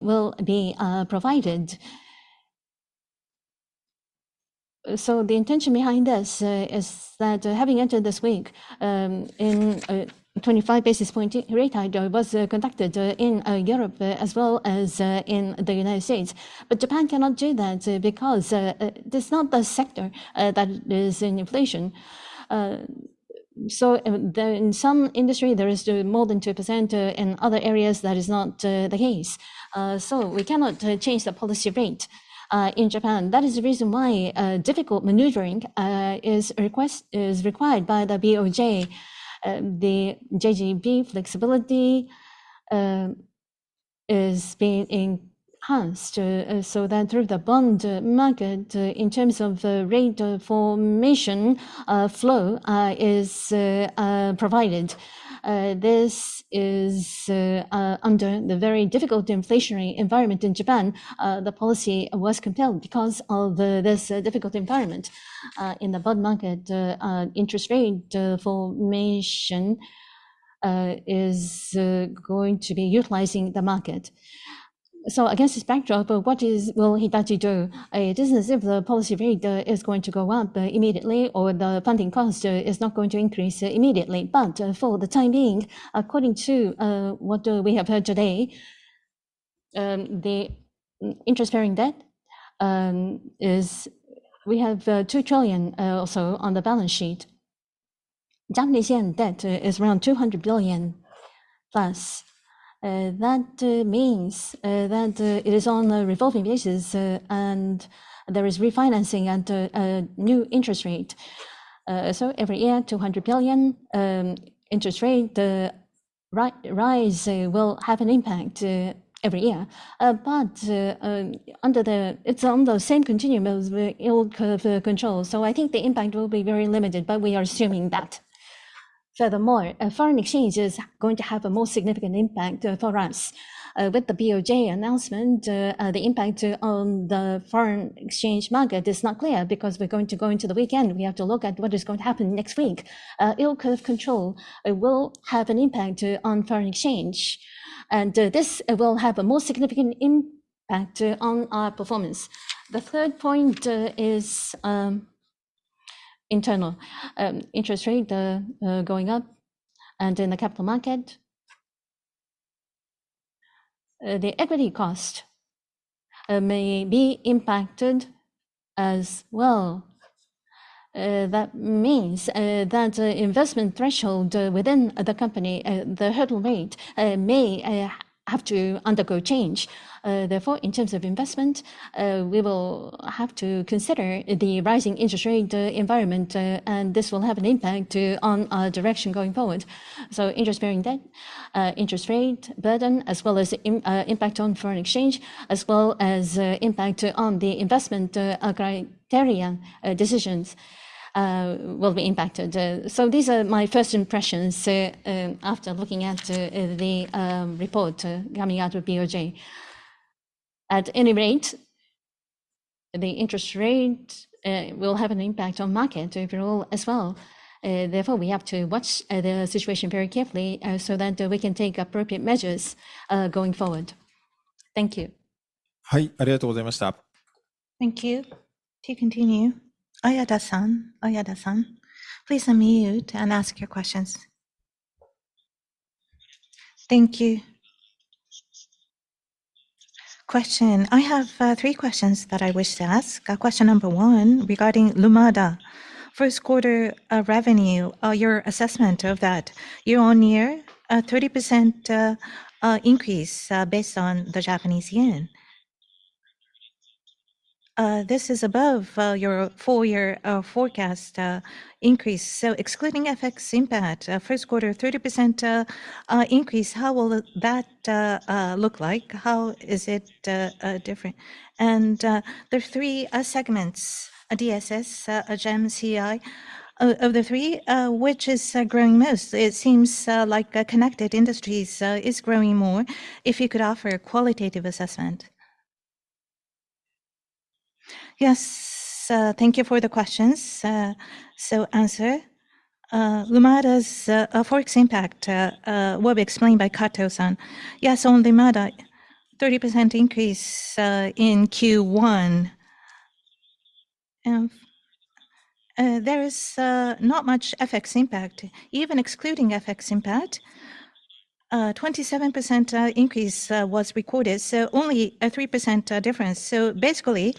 will be provided. The intention behind this is that having entered this week, in a 25 basis point rate hike, was conducted in Europe, as well as in the United States. Japan cannot do that because there's not the sector that is in inflation. The In some industry, there is more than 2%, in other areas, that is not the case. We cannot change the policy rate in Japan. That is the reason why difficult maneuvering is required by the BOJ. The JGB flexibility is being enhanced so that through the bond market, in terms of rate formation, flow is provided. This is under the very difficult inflationary environment in Japan, the policy was compelled because of this difficult environment. In the bond market, interest rate formation is going to be utilizing the market. Against this backdrop, what is will Hitachi do? It isn't as if the policy rate is going to go up immediately, or the funding cost is not going to increase immediately. For the time being, according to what we have heard today. The interest-bearing debt is we have 2 trillion also on the balance sheet. Japanese yen debt is around 200+ billion. That means that it is on a revolving basis, and there is refinancing at a new interest rate. Every year, 200 billion interest rate, the ri- rise will have an impact every year. Under the It's on the same continuum as the yield curve control, so I think the impact will be very limited, but we are assuming that. Furthermore, foreign exchange is going to have a more significant impact for us. With the BOJ announcement, the impact on the foreign exchange market is not clear, because we're going to go into the weekend. We have to look at what is going to happen next week. Yield curve control, it will have an impact on foreign exchange. This will have a more significant impact on our performance. The third point is internal. Interest rate going up. In the capital market, the equity cost may be impacted as well. That means that investment threshold within the company, the hurdle rate may have to undergo change. Therefore, in terms of investment, we will have to consider the rising interest rate environment. This will have an impact on our direction going forward. Interest-bearing debt, interest rate burden, as well as impact on foreign exchange, as well as impact on the investment criteria decisions will be impacted. These are my first impressions after looking at the report coming out of BOJ. At any rate, the interest rate will have an impact on market overall as well. Therefore, we have to watch the situation very carefully so that we can take appropriate measures going forward. Thank you. Hi, Thank you. To continue, Oyada-san, Oyada-san, please unmute and ask your questions. Thank you. Question. I have three questions that I wish to ask. Question number 1, regarding Lumada. 1st quarter revenue, your assessment of that year-on-year 30% increase, based on the Japanese yen. This is above your full-year forecast increase, so excluding FX impact, 1st quarter 30% increase, how will that look like? How is it different? There are three segments: DSS, GEM, CI. Of the three, which is growing most? It seems like Connected Industries is growing more. If you could offer a qualitative assessment. Yes, thank you for the questions. So answer, Lumada's Forex impact will be explained by Kato-san. Yes, on Lumada, 30% increase in Q1. There is not much FX impact. Even excluding FX impact, 27% increase was recorded, so only a 3% difference. Basically,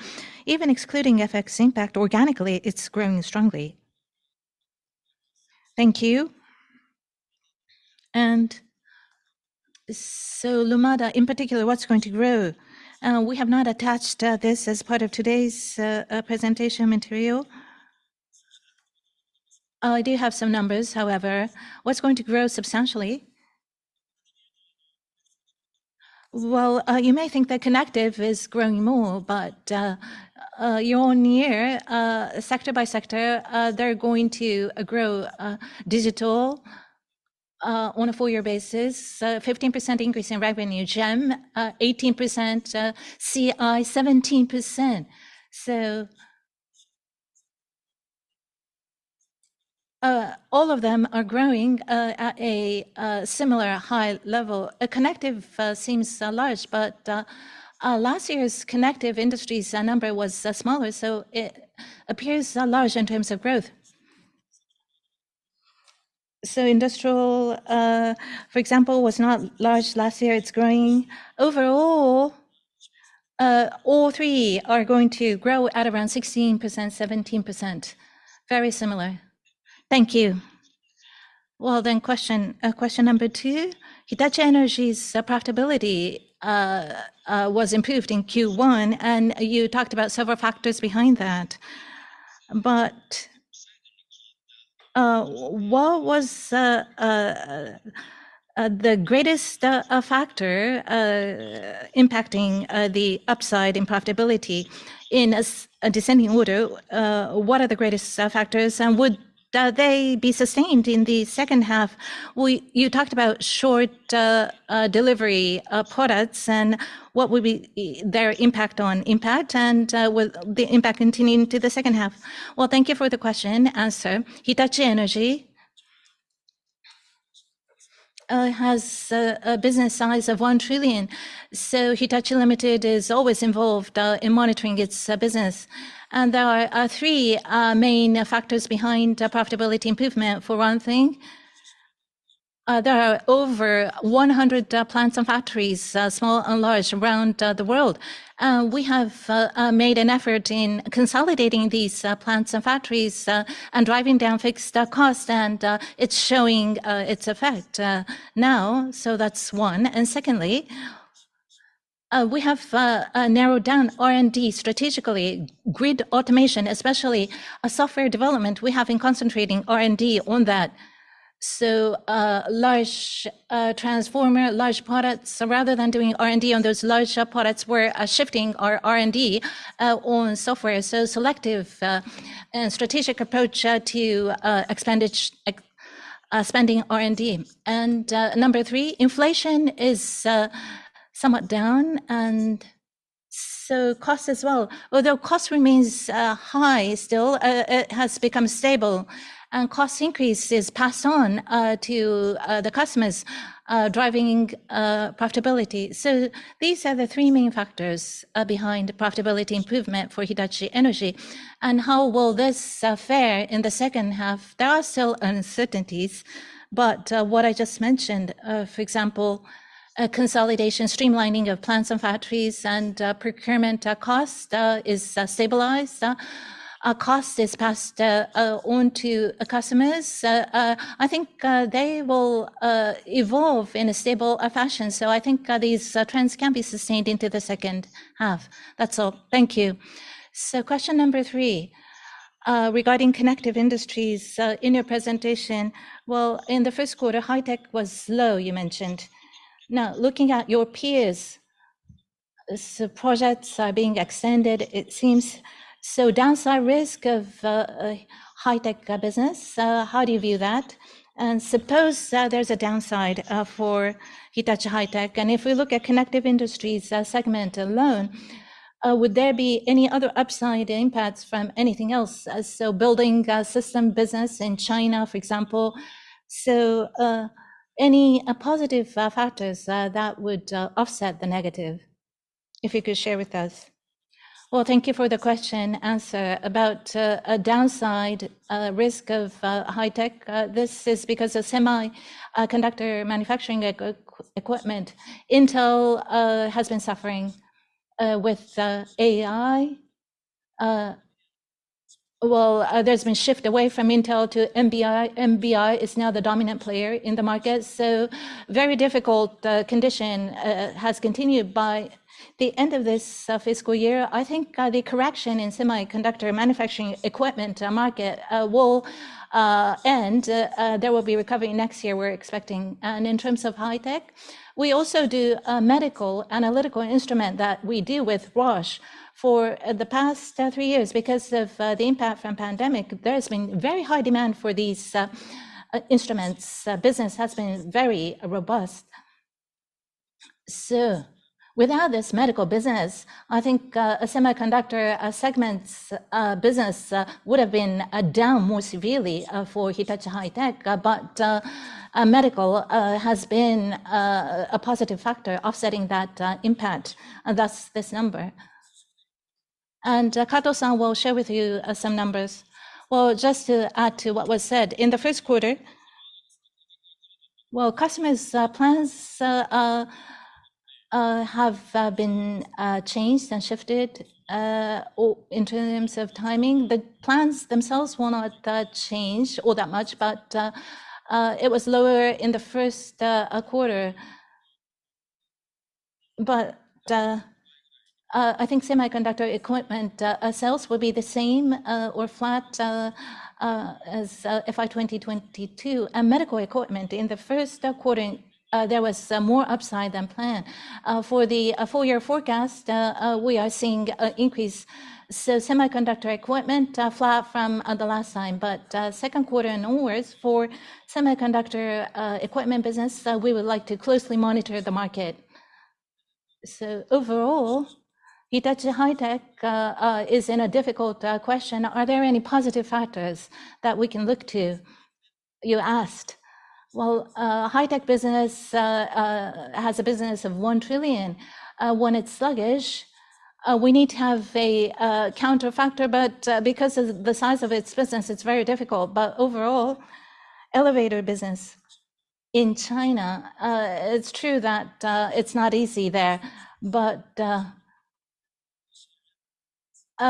even excluding FX impact, organically, it's growing strongly. Thank you. Lumada, in particular, what's going to grow? We have not attached this as part of today's presentation material. I do have some numbers, however. What's going to grow substantially? You may think that Connective is growing more, but year-on-year, sector by sector, they're going to grow digital, on a full year basis, 15% increase in revenue, GEM, 18%, CI, 17%. All of them are growing at a similar high level. Connective seems large, last year's Connective Industries number was smaller, so it appears large in terms of growth. Industrial, for example, was not large last year. It's growing. Overall, all three are going to grow at around 16%, 17%. Very similar. Thank you. Question number 2: Hitachi Energy's profitability was improved in Q1, and you talked about several factors behind that, what was the greatest factor impacting the upside in profitability? In a descending order, what are the greatest factors, and would they be sustained in the second half? We You talked about short delivery products, and what would be their impact on impact, and will the impact continuing into the second half? Well, thank you for the question. Answer: Hitachi Energy has a business size of 1 trillion, so Hitachi, Ltd. is always involved in monitoring its business, and there are, are three main factors behind profitability improvement. For one thing. There are over 100 plants and factories, small and large, around the world. We have made an effort in consolidating these plants and factories, and driving down fixed cost, and it's showing its effect now. That's one. Secondly, we have narrowed down R&D strategically. Grid automation, especially software development, we have been concentrating R&D on that. Large transformer, large products, rather than doing R&D on those large products, we're shifting our R&D on software. Selective and strategic approach to expenditure, spending R&D. Number three, inflation is somewhat down, and so cost as well. Although cost remains high still, it has become stable, and cost increase is passed on to the customers, driving profitability. These are the three main factors behind profitability improvement for Hitachi Energy. How will this fare in the second half? There are still uncertainties, but what I just mentioned, for example, consolidation, streamlining of plants and factories, and procurement cost is stabilized. Cost is passed on to customers. I think they will evolve in a stable fashion, so I think these trends can be sustained into the second half. That's all. Thank you. Question 3 regarding Connective Industries, in your presentation, well, in the first quarter, high tech was low, you mentioned. Now, looking at your peers, projects are being extended, it seems. Downside risk of a high-tech business, how do you view that? Suppose there's a downside for Hitachi High-Tech, and if we look at Connective Industries segment alone, would there be any other upside impacts from anything else? Building a system business in China, for example. Any positive factors that would offset the negative, if you could share with us? Well, thank you for the question. Answer about a downside risk of high tech. This is because the semiconductor manufacturing equipment, Intel, has been suffering with AI. Well, there's been shift away from Intel to NVIDIA. NVIDIA is now the dominant player in the market, so very difficult condition has continued. By the end of this fiscal year, I think the correction in semiconductor manufacturing equipment market will end. There will be recovery next year, we're expecting. In terms of high tech, we also do a medical analytical instrument that we deal with Roche. For the past three years, because of the impact from pandemic, there has been very high demand for these instruments. Business has been very robust. Without this medical business, I think semiconductor segments business would've been down more severely for Hitachi High-Tech. Medical has been a positive factor, offsetting that impact, and thus, this number. Kato-san will share with you some numbers. Well, just to add to what was said, in the first quarter, well, customers plans have been changed and shifted in terms of timing, the plans themselves were not changed all that much, but it was lower in the first quarter. I think semiconductor equipment sales will be the same or flat as FY 2022. Medical equipment, in the first quarter, there was more upside than planned. For the full year forecast, we are seeing an increase. Semiconductor equipment, flat from the last time, but second quarter onwards for semiconductor equipment business, we would like to closely monitor the market. Overall, Hitachi High-Tech is in a difficult question. Are there any positive factors that we can look to? You asked. Well, high-tech business has a business of 1 trillion. When it's sluggish, we need to have a counter factor, but because of the size of its business, it's very difficult. Overall, elevator business in China, it's true that it's not easy there, but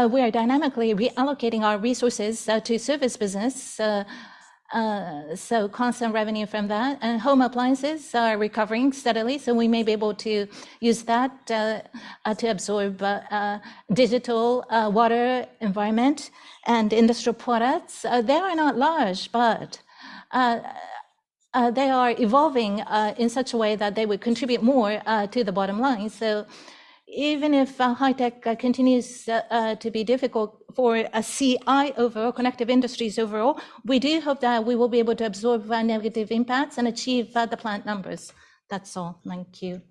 we are dynamically reallocating our resources to service business, so constant revenue from that. Home appliances are recovering steadily, so we may be able to use that to absorb digital, water, environment, and industrial products. They are not large, but they are evolving in such a way that they would contribute more to the bottom line. Even if high tech continues to be difficult for CI overall, Connective Industries overall, we do hope that we will be able to absorb our negative impacts and achieve the planned numbers. That's all. Thank you.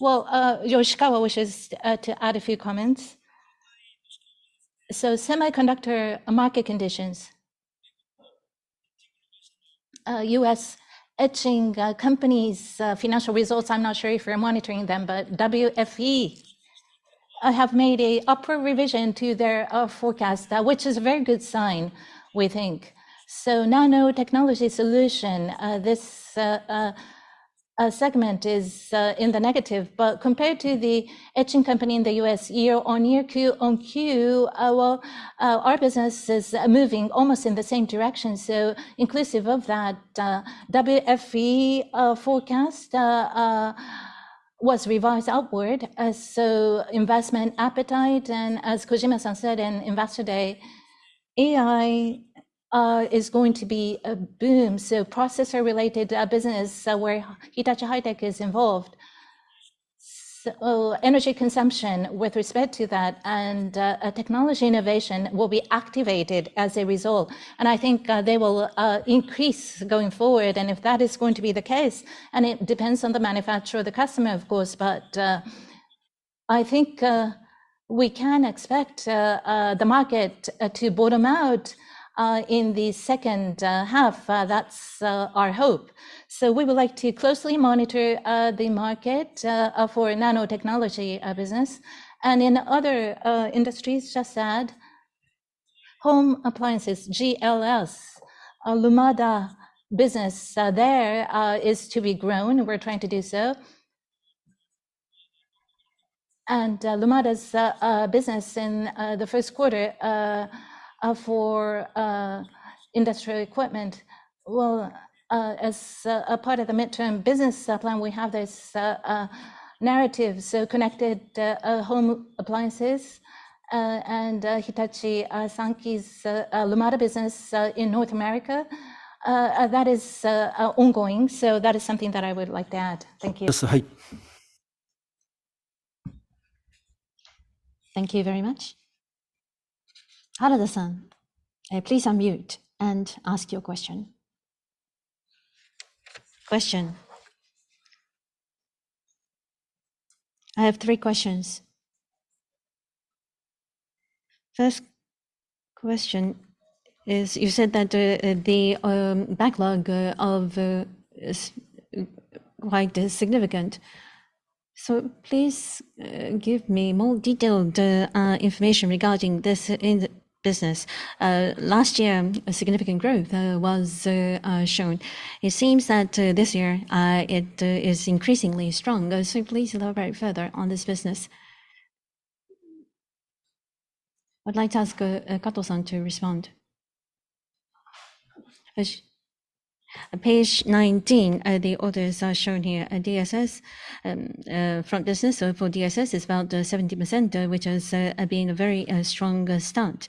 Well, Yoshikawa wishes to add a few comments. Semiconductor market conditions. U.S. etching companies financial results, I'm not sure if you're monitoring them, but WFE- I have made a upper revision to their forecast, which is a very good sign, we think. Nanotechnology solution, this segment is in the negative, but compared to the etching company in the U.S. year-on-year Q-on-Q, well, our business is moving almost in the same direction. Inclusive of that, WFE forecast was revised upward, so investment appetite, and as Kojima-san said in Investor Day, AI is going to be a boom. Processor-related business where Hitachi High-Tech is involved. Energy consumption with respect to that and a technology innovation will be activated as a result, and I think they will increase going forward. If that is going to be the case, and it depends on the manufacturer or the customer, of course, but, I think, we can expect the market to bottom out in the second half. That's our hope. We would like to closely monitor the market for nanotechnology business. In other industries, just add home appliances, GLS, Lumada business, there is to be grown, we're trying to do so. Lumada's business in the first quarter for industrial equipment, well, as a part of the midterm business plan, we have this narrative, so connected home appliances. And Hitachi Sanki's Lumada business in North America, that is ongoing. That is something that I would like to add. Thank you. Yes, hai. Thank you very much. Harada-san, please unmute and ask your question. Question. I have three questions. First question is, you said that the backlog of is quite significant, so please give me more detailed information regarding this in the business. Last year, a significant growth was shown. It seems that this year it is increasingly strong. Please elaborate further on this business. I'd like to ask, Kato-san to respond. Page 19, the orders are shown here, DSS, front business. For DSS, it's about 70%, which is being a very strong start.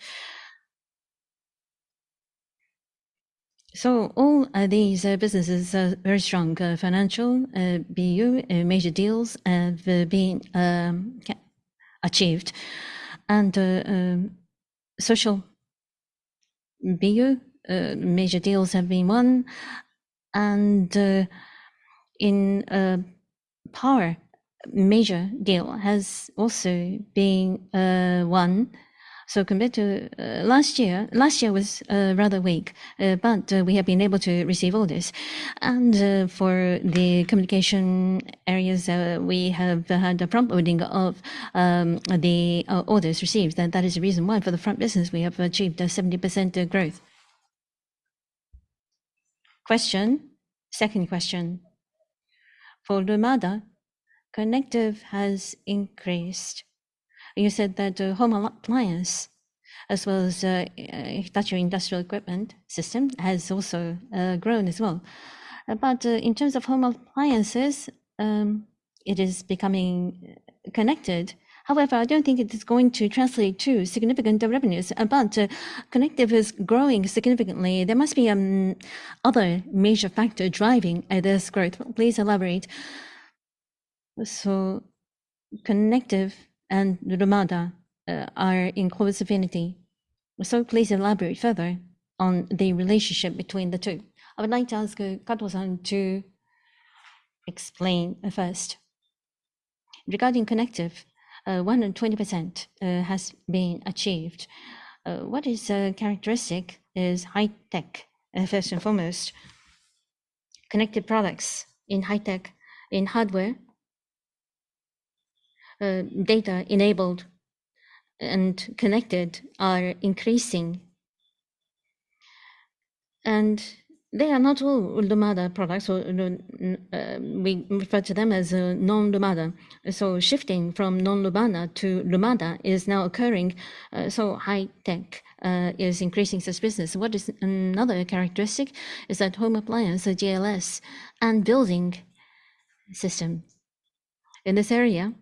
All these businesses are very strong. Financial BU, major deals have been achieved. Social BU, major deals have been won, in power, major deal has also been won. Compared to last year, last year was rather weak, but we have been able to receive orders. For the communication areas, we have had a prompt ordering of the orders received. That, that is the reason why for the front business we have achieved a 70% growth. Question, second question: for Lumada, connective has increased. You said that home appliance, as well as Hitachi Industrial Equipment system, has also grown as well. In terms of home appliances, it is becoming connected. However, I don't think it is going to translate to significant revenues, but connective is growing significantly. There must be other major factor driving this growth. Please elaborate. Connective and Lumada are in close affinity, so please elaborate further on the relationship between the two. I would like to ask Kato-san to explain first. Regarding connective, 1 in 20% has been achieved. What is characteristic is high tech first and foremost. Connected products in high tech, in hardware, data enabled and connected are increasing. They are not all Lumada products, or we refer to them as non-Lumada. Shifting from non-Lumada to Lumada is now occurring, so high tech is increasing this business. What is another characteristic is that home appliance, the GLS, and building system. In this area,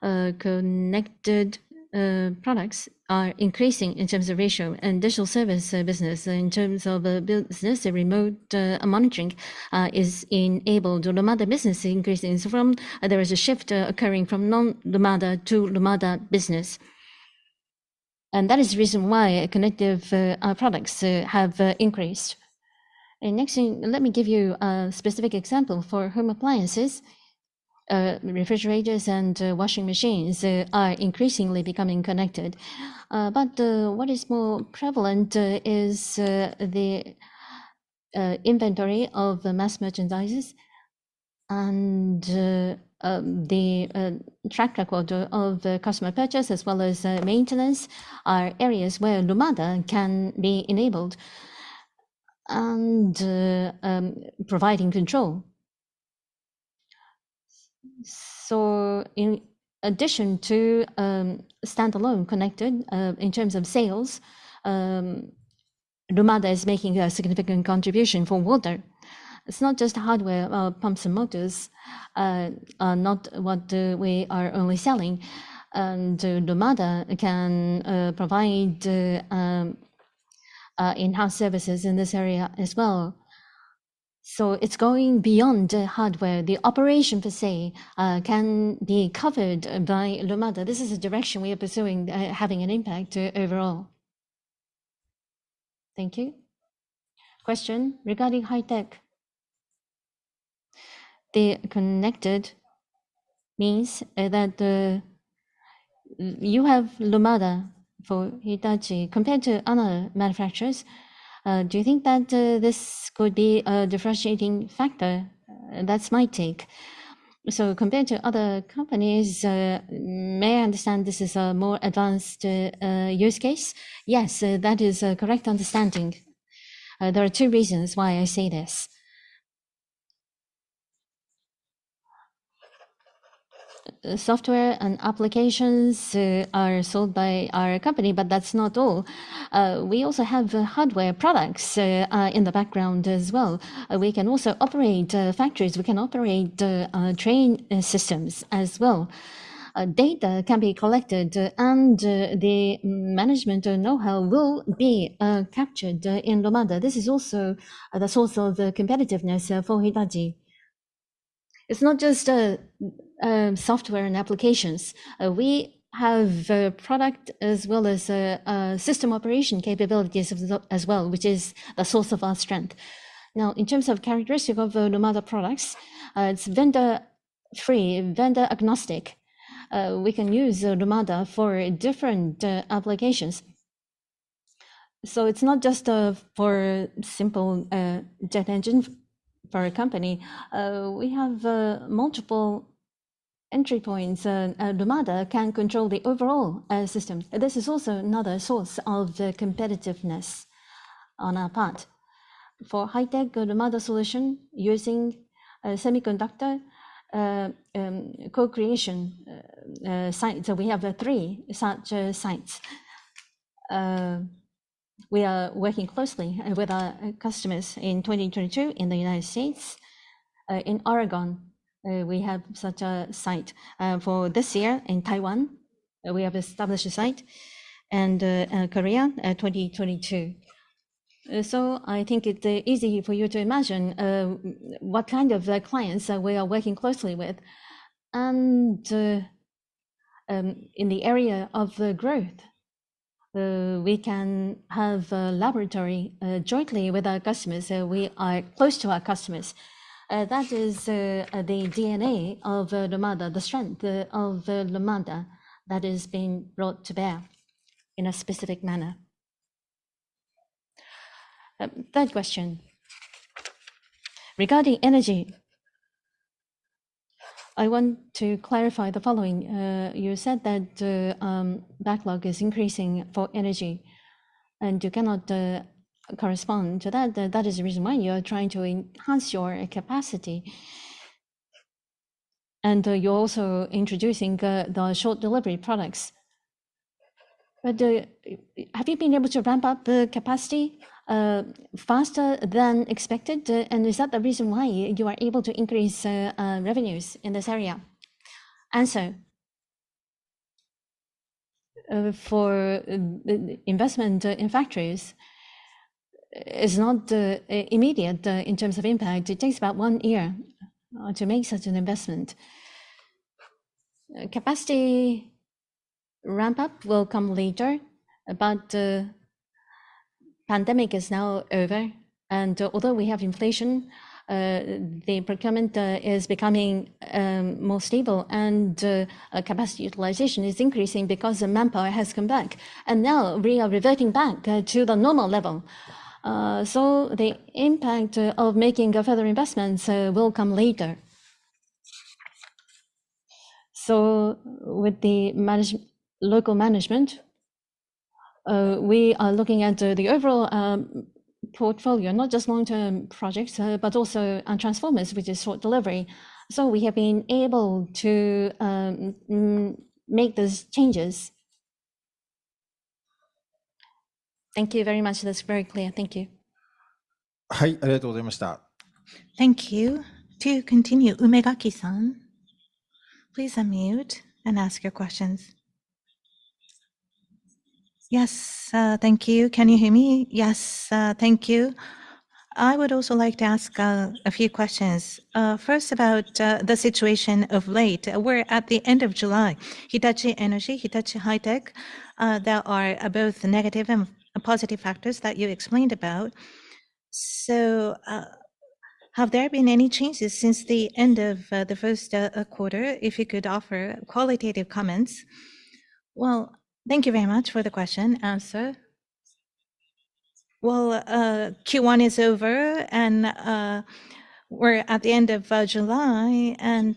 connected products are increasing in terms of ratio and digital service business. In terms of business, the remote monitoring is enabled. The Lumada business is increasing, so from There is a shift occurring from non-Lumada to Lumada business, and that is the reason why connective products have increased. Next thing, let me give you a specific example. For home appliances, refrigerators and washing machines are increasingly becoming connected. What is more prevalent is the- inventory of the mass merchandises and the track record of the customer purchase as well as maintenance are areas where Lumada can be enabled, and providing control. In addition to standalone connected in terms of sales, Lumada is making a significant contribution for water. It's not just hardware, pumps and motors are not what we are only selling, and Lumada can provide in-house services in this area as well. It's going beyond the hardware. The operation per se can be covered by Lumada. This is the direction we are pursuing, having an impact overall. Thank you. Question regarding high tech. The connected means that you have Lumada for Hitachi. Compared to other manufacturers, do you think that this could be a differentiating factor? That's my take. Compared to other companies, may I understand this is a more advanced use case? Yes, that is a correct understanding. There are two reasons why I say this. Software and applications are sold by our company, but that's not all. We also have hardware products in the background as well. We can also operate factories, we can operate train systems as well. Data can be collected, and the management or know-how will be captured in Lumada. This is also the source of the competitiveness for Hitachi. It's not just software and applications. We have product as well as system operation capabilities of the as well, which is a source of our strength. Now, in terms of characteristic of Lumada products, it's vendor-free, vendor-agnostic. We can use Lumada for different applications. It's not just for simple jet engine for a company. We have multiple entry points, and Lumada can control the overall systems. This is also another source of the competitiveness on our part. For high-tech Lumada solution, using semiconductor co-creation site. We have the three such sites. We are working closely with our customers in 2022 in the United States. In Oregon, we have such a site. For this year in Taiwan, we have established a site, and Korea 2022. I think it's easy for you to imagine what kind of clients that we are working closely with. In the area of the growth, we can have a laboratory jointly with our customers, so we are close to our customers. That is the DNA of Lumada, the strength of Lumada that is being brought to bear in a specific manner. Third question, regarding energy, I want to clarify the following. You said that backlog is increasing for energy, and you cannot correspond to that. That is the reason why you are trying to enhance your capacity, and you're also introducing the short delivery products. Have you been able to ramp up the capacity faster than expected, and is that the reason why you are able to increase revenues in this area? Answer: For investment in factories, it's not immediate in terms of impact. It takes about one year to make such an investment. Capacity ramp-up will come later, but the pandemic is now over, and although we have inflation, the procurement is becoming more stable, and capacity utilization is increasing because the manpower has come back, and now we are reverting back to the normal level. The impact of making a further investment will come later. With the local management, we are looking at the overall portfolio, not just long-term projects, but also on transformers, which is short delivery. We have been able to make those changes. Thank you very much. That's very clear. Thank you. Thank you. To continue, Umegaki-san, please unmute and ask your questions. Yes, thank you. Can you hear me? Yes, thank you. I would also like to ask a few questions. First, about the situation of late. We're at the end of July. Hitachi Energy, Hitachi High-Tech, there are both negative and positive factors that you explained about. Have there been any changes since the end of the first quarter? If you could offer qualitative comments. Thank you very much for the question, and so. Q1 is over, and we're at the end of July, and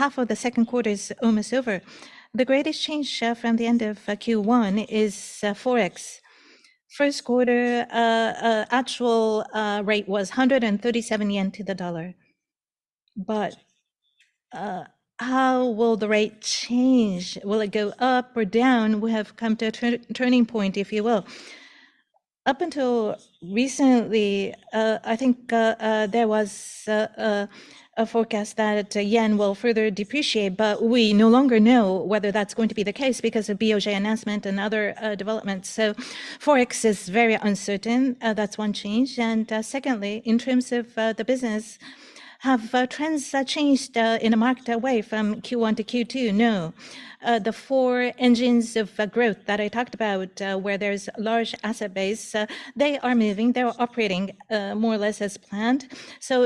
half of the second quarter is almost over. The greatest change from the end of Q1 is Forex. First quarter actual rate was 137 yen to the dollar. How will the rate change? Will it go up or down? We have come to a turning point, if you will. Up until recently, I think, there was a forecast that yen will further depreciate, but we no longer know whether that's going to be the case because of BOJ announcement and other developments. Forex is very uncertain. That's one change. Secondly, in terms of the business, have trends changed in the market away from Q1 to Q2? No. The four engines of growth that I talked about, where there's large asset base, they are moving. They're operating more or less as planned.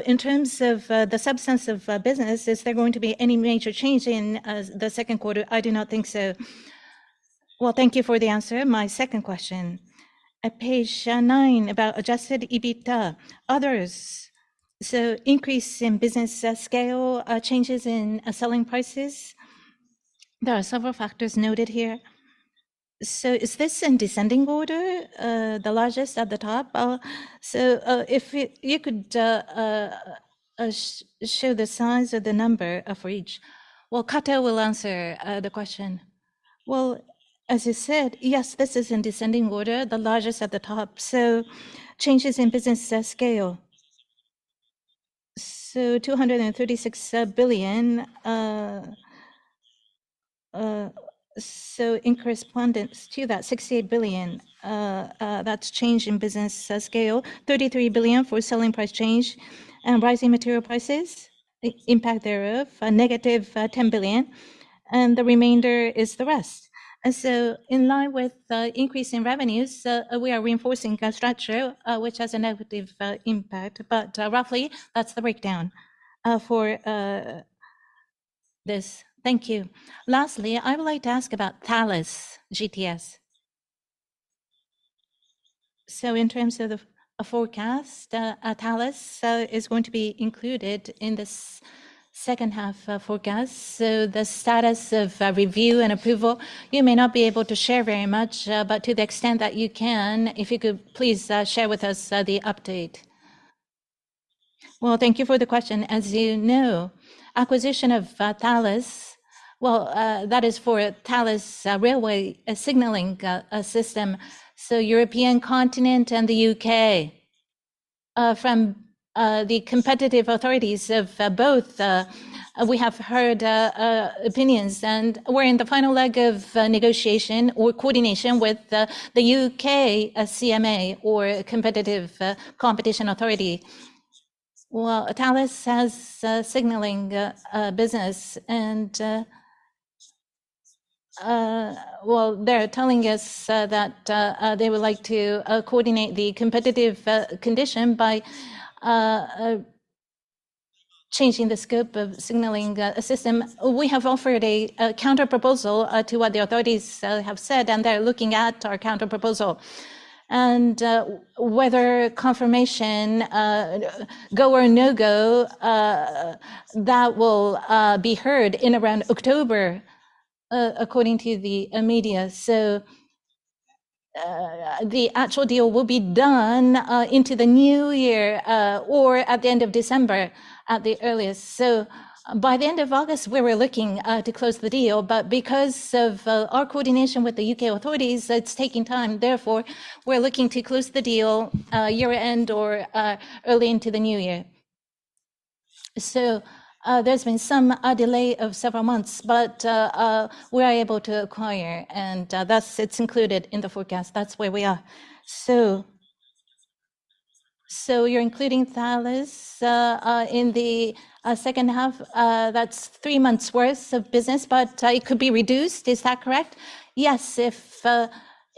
In terms of the substance of business, is there going to be any major change in the second quarter? I do not think so. Well, thank you for the answer. My second question, at page 9, Adjusted EBITDA, others, so increase in business scale, changes in selling prices, there are several factors noted here. Is this in descending order, the largest at the top? If you could show the size of the number for each. Well, Kato will answer the question. Well, as you said, yes, this is in descending order, the largest at the top. Changes in business scale. 236 billion. In correspondence to that 68 billion, that's change in business scale. 33 billion for selling price change and rising material prices, impact thereof, a negative 10 billion, and the remainder is the rest. In line with the increase in revenues, we are reinforcing structure, which has a negative impact, but roughly, that's the breakdown for this. Thank you. Lastly, I would like to ask about Thales GTS. In terms of a forecast, Thales is going to be included in this second half forecast. The status of review and approval, you may not be able to share very much, but to the extent that you can, if you could please share with us the update. Well, thank you for the question. As you know, acquisition of Thales, well, that is for Thales railway signaling system, so European continent and the U.K. From the competitive authorities of both, we have heard opinions, and we're in the final leg of negotiation or coordination with the U.K. CMA or competitive competition authority. Well, Thales has a signaling business, and, well, they're telling us that they would like to coordinate the competitive condition by changing the scope of signaling system. We have offered a counterproposal to what the authorities have said, and they're looking at our counterproposal. Whether confirmation go or no-go, that will be heard in around October, according to the media. The actual deal will be done into the new year, or at the end of December at the earliest. By the end of August, we were looking to close the deal, but because of our coordination with the U.K. authorities, it's taking time. Therefore, we're looking to close the deal year-end or early into the new year. There's been some, a delay of several months, but, we are able to acquire, and, that's, it's included in the forecast. That's where we are. You're including Thales, in the, second half. That's three months' worth of business, but, it could be reduced. Is that correct? Yes. If,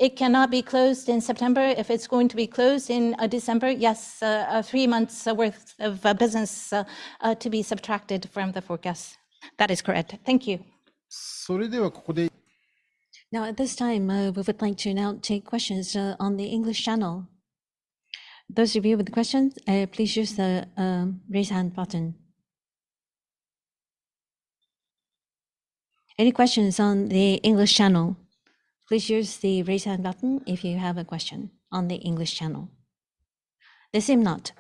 it cannot be closed in September, if it's going to be closed in, December, yes, 3 months' worth of, business, to be subtracted from the forecast. That is correct. Thank you. Now, at this time, we would like to now take questions on the English channel. Those of you with questions, please use the raise hand button. Any questions on the English channel? Please use the raise hand button if you have a question on the English channel. There seem not,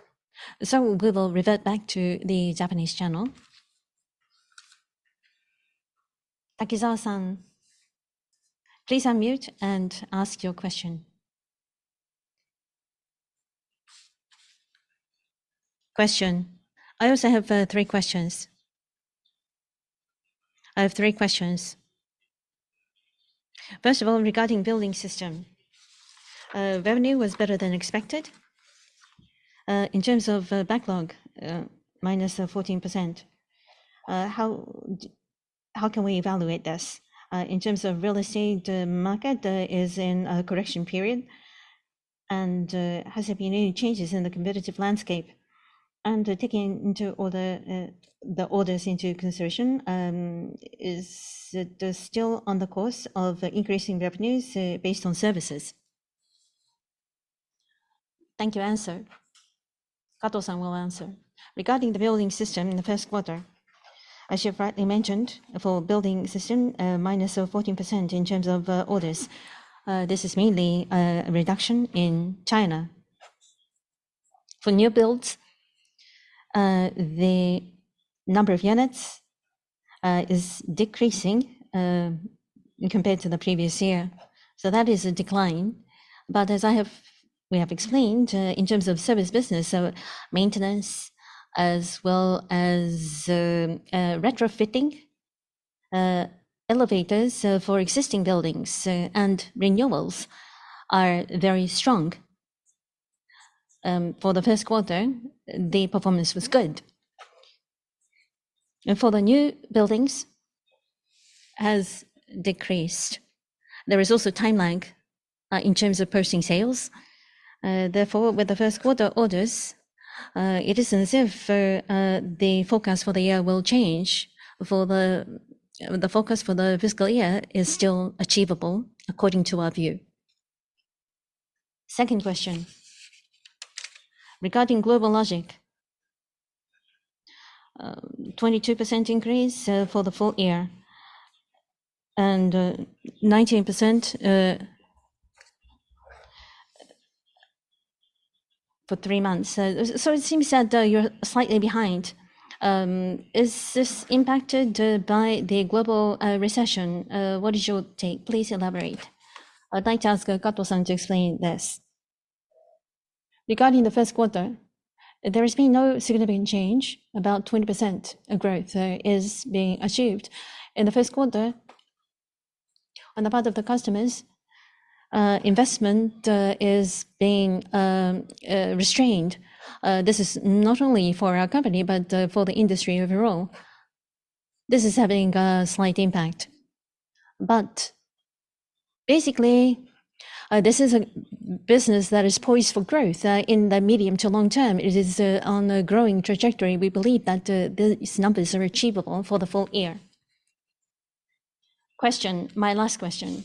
so we will revert back to the Japanese channel. Takizawa-san, please unmute and ask your question. Question. I also have three questions. I have three questions. First of all, regarding building system, revenue was better than expected. In terms of, backlog, minus 14%? how can we evaluate this? In terms of real estate, the market is in a correction period, and has there been any changes in the competitive landscape? Taking into all the orders into consideration, is it still on the course of increasing revenues based on services? Thank you. Answer. Kato-san will answer. Regarding the building system in the first quarter, as you've rightly mentioned, for building system, minus of 14% in terms of orders. This is mainly a reduction in China. For new builds, the number of units is decreasing compared to the previous year, so that is a decline. As I have, we have explained, in terms of service business, so maintenance as well as retrofitting elevators for existing buildings and renewals are very strong. For the first quarter, the performance was good. For the new buildings, has decreased. There is also a time lag in terms of posting sales. Therefore, with the first quarter orders, it isn't as if the forecast for the year will change, for the The forecast for the fiscal year is still achievable according to our view. Second question, regarding GlobalLogic. 22% increase for the full year, and 19% for three months. So it seems that you're slightly behind. Is this impacted by the global recession? What is your take? Please elaborate. I'd like to ask Kato-san to explain this. Regarding the first quarter, there has been no significant change. About 20% of growth is being achieved. In the first quarter, on the part of the customers, investment is being restrained. This is not only for our company, but for the industry overall. This is having a slight impact. Basically, this is a business that is poised for growth in the medium to long term. It is on a growing trajectory. We believe that these numbers are achievable for the full year. Question, my last question.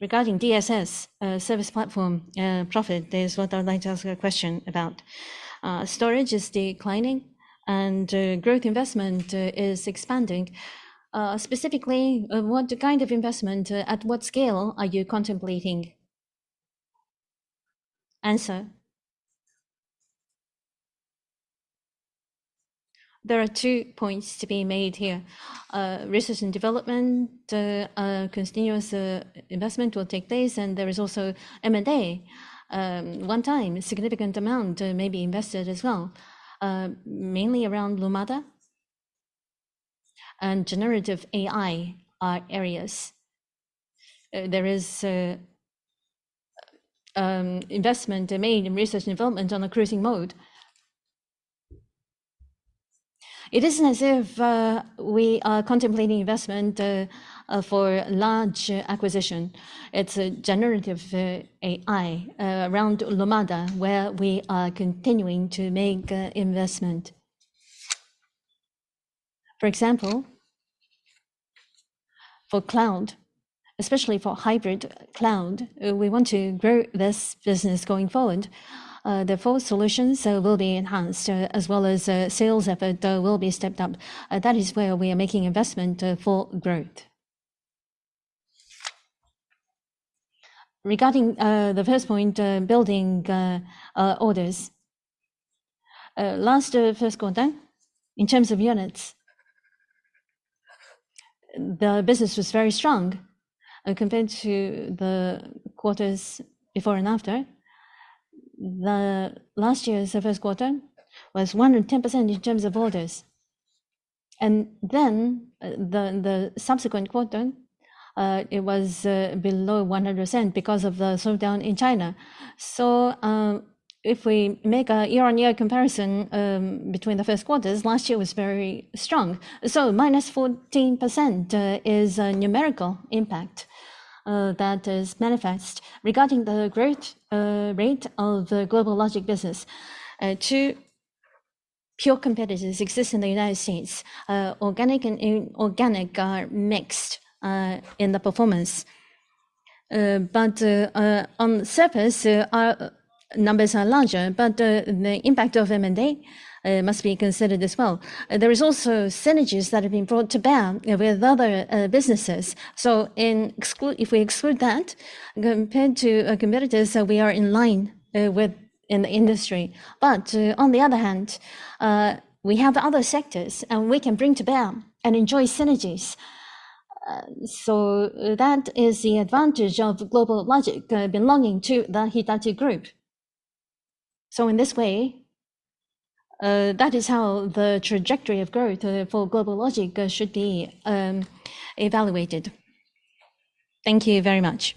Regarding DSS service platform profit, is what I'd like to ask a question about. Storage is declining, and growth investment is expanding. Specifically, what kind of investment, at what scale are you contemplating? Answer: There are two points to be made here. Research and development, continuous investment will take place, and there is also M&A. One time, a significant amount may be invested as well, mainly around Lumada and generative AI areas. There is an investment being made in research and development on increasing mode. It isn't as if we are contemplating investment for large acquisition. It's a generative AI around Lumada, where we are continuing to make investment. For example, for cloud, especially for hybrid cloud, we want to grow this business going forward. The full solutions will be enhanced, as well as sales effort will be stepped up. That is where we are making investment for growth. Regarding the first point, building orders. Last first quarter, in terms of units, the business was very strong, compared to the quarters before and after. The last year's first quarter was 110% in terms of orders. The subsequent quarter, it was below 100% because of the slowdown in China. If we make a year-on-year comparison, between the first quarters, last year was very strong. -14% is a numerical impact that is manifest. Regarding the growth rate of the GlobalLogic business, two pure competitors exist in the United States. Organic and inorganic are mixed in the performance. On the surface, our numbers are larger, but the impact of M&A must be considered as well. There is also synergies that have been brought to bear with other businesses. In exclude If we exclude that, compared to our competitors, we are in line with in the industry. On the other hand, we have other sectors, and we can bring to bear and enjoy synergies. That is the advantage of GlobalLogic belonging to the Hitachi group. In this way, that is how the trajectory of growth for GlobalLogic should be evaluated. Thank you very much.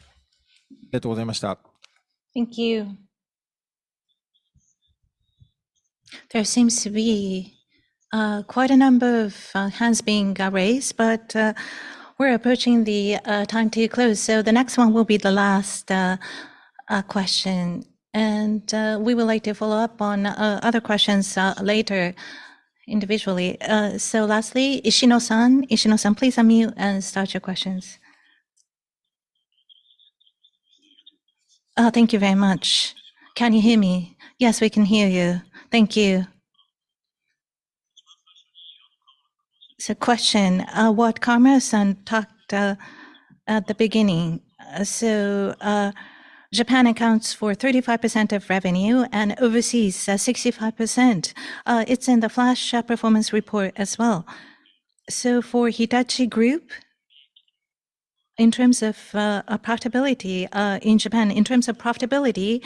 Thank you. There seems to be quite a number of hands being raised, but we're approaching the time to close. The next one will be the last question, and we would like to follow up on other questions later individually. Lastly, Ishino-san. Ishino-san, please unmute and start your questions. Thank you very much. Can you hear me? Yes, we can hear you. Thank you. Question, what Kawamura-san talked at the beginning. Japan accounts for 35% of revenue, and overseas, 65%. It's in the flash performance report as well. For Hitachi Group, in terms of a profitability in Japan, in terms of profitability,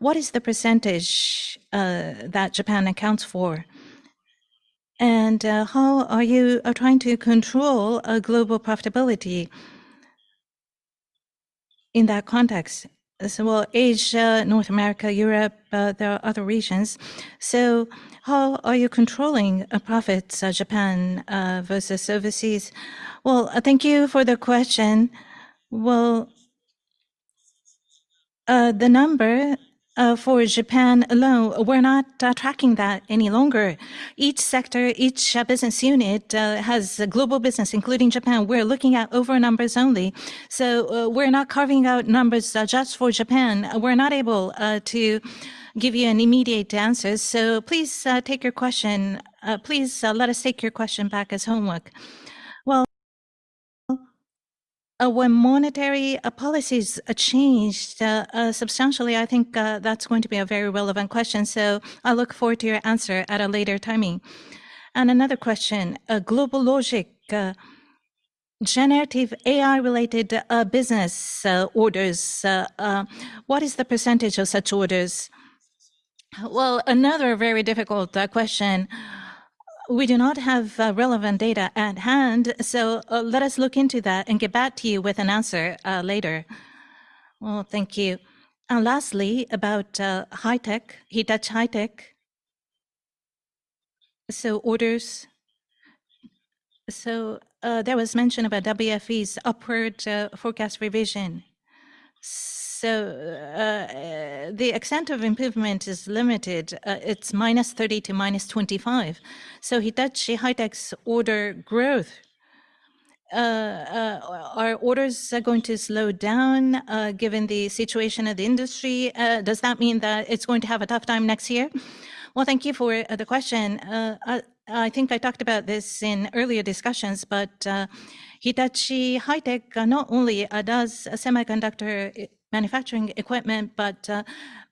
what is the percentage that Japan accounts for? How are you trying to control global profitability in that context? Well, Asia, North America, Europe, there are other regions, so how are you controlling profits, Japan versus overseas? Well, thank you for the question. Well, the number for Japan alone, we're not tracking that any longer. Each sector, each business unit has a global business, including Japan. We're looking at overall numbers only, so we're not carving out numbers just for Japan. We're not able to give you an immediate answer, so please take your question. Please let us take your question back as homework. Well, when monetary policies are changed substantially, I think that's going to be a very relevant question, so I look forward to your answer at a later timing. Another question: GlobalLogic generative AI-related business orders, what is the % of such orders? Well, another very difficult question. We do not have relevant data at hand, let us look into that and get back to you with an answer later. Well, thank you. Lastly, about High-Tech, Hitachi High-Tech, orders There was mention about WFE's upward forecast revision. The extent of improvement is limited. It's -30 to -25. Hitachi High-Tech's order growth, are orders going to slow down given the situation of the industry? Does that mean that it's going to have a tough time next year? Well, thank you for the question. I think I talked about this in earlier discussions, but Hitachi High-Tech not only does semiconductor manufacturing equipment, but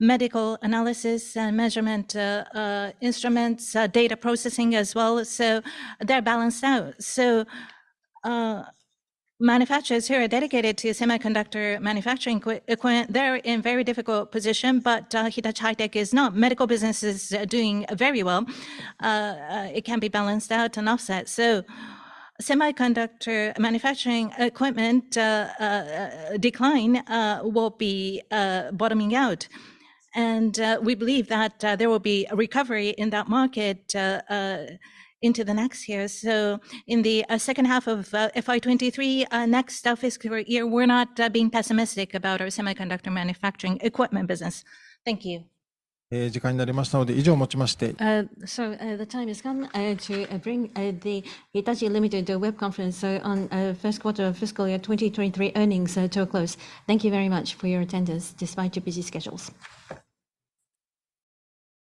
medical analysis and measurement instruments, data processing as well, they're balanced out. Manufacturers who are dedicated to semiconductor manufacturing equipment, they're in very difficult position, but Hitachi High-Tech is not. Medical business is doing very well. It can be balanced out and offset. Semiconductor manufacturing equipment decline will be bottoming out, we believe that there will be a recovery in that market into the next year. In the second half of FY 2023, next fiscal year, we're not being pessimistic about our semiconductor manufacturing equipment business. Thank you. The time has come, to bring, the Hitachi, Ltd. web conference, so on, first quarter of fiscal year 2023 earnings, to a close. Thank you very much for your attendance despite your busy schedules.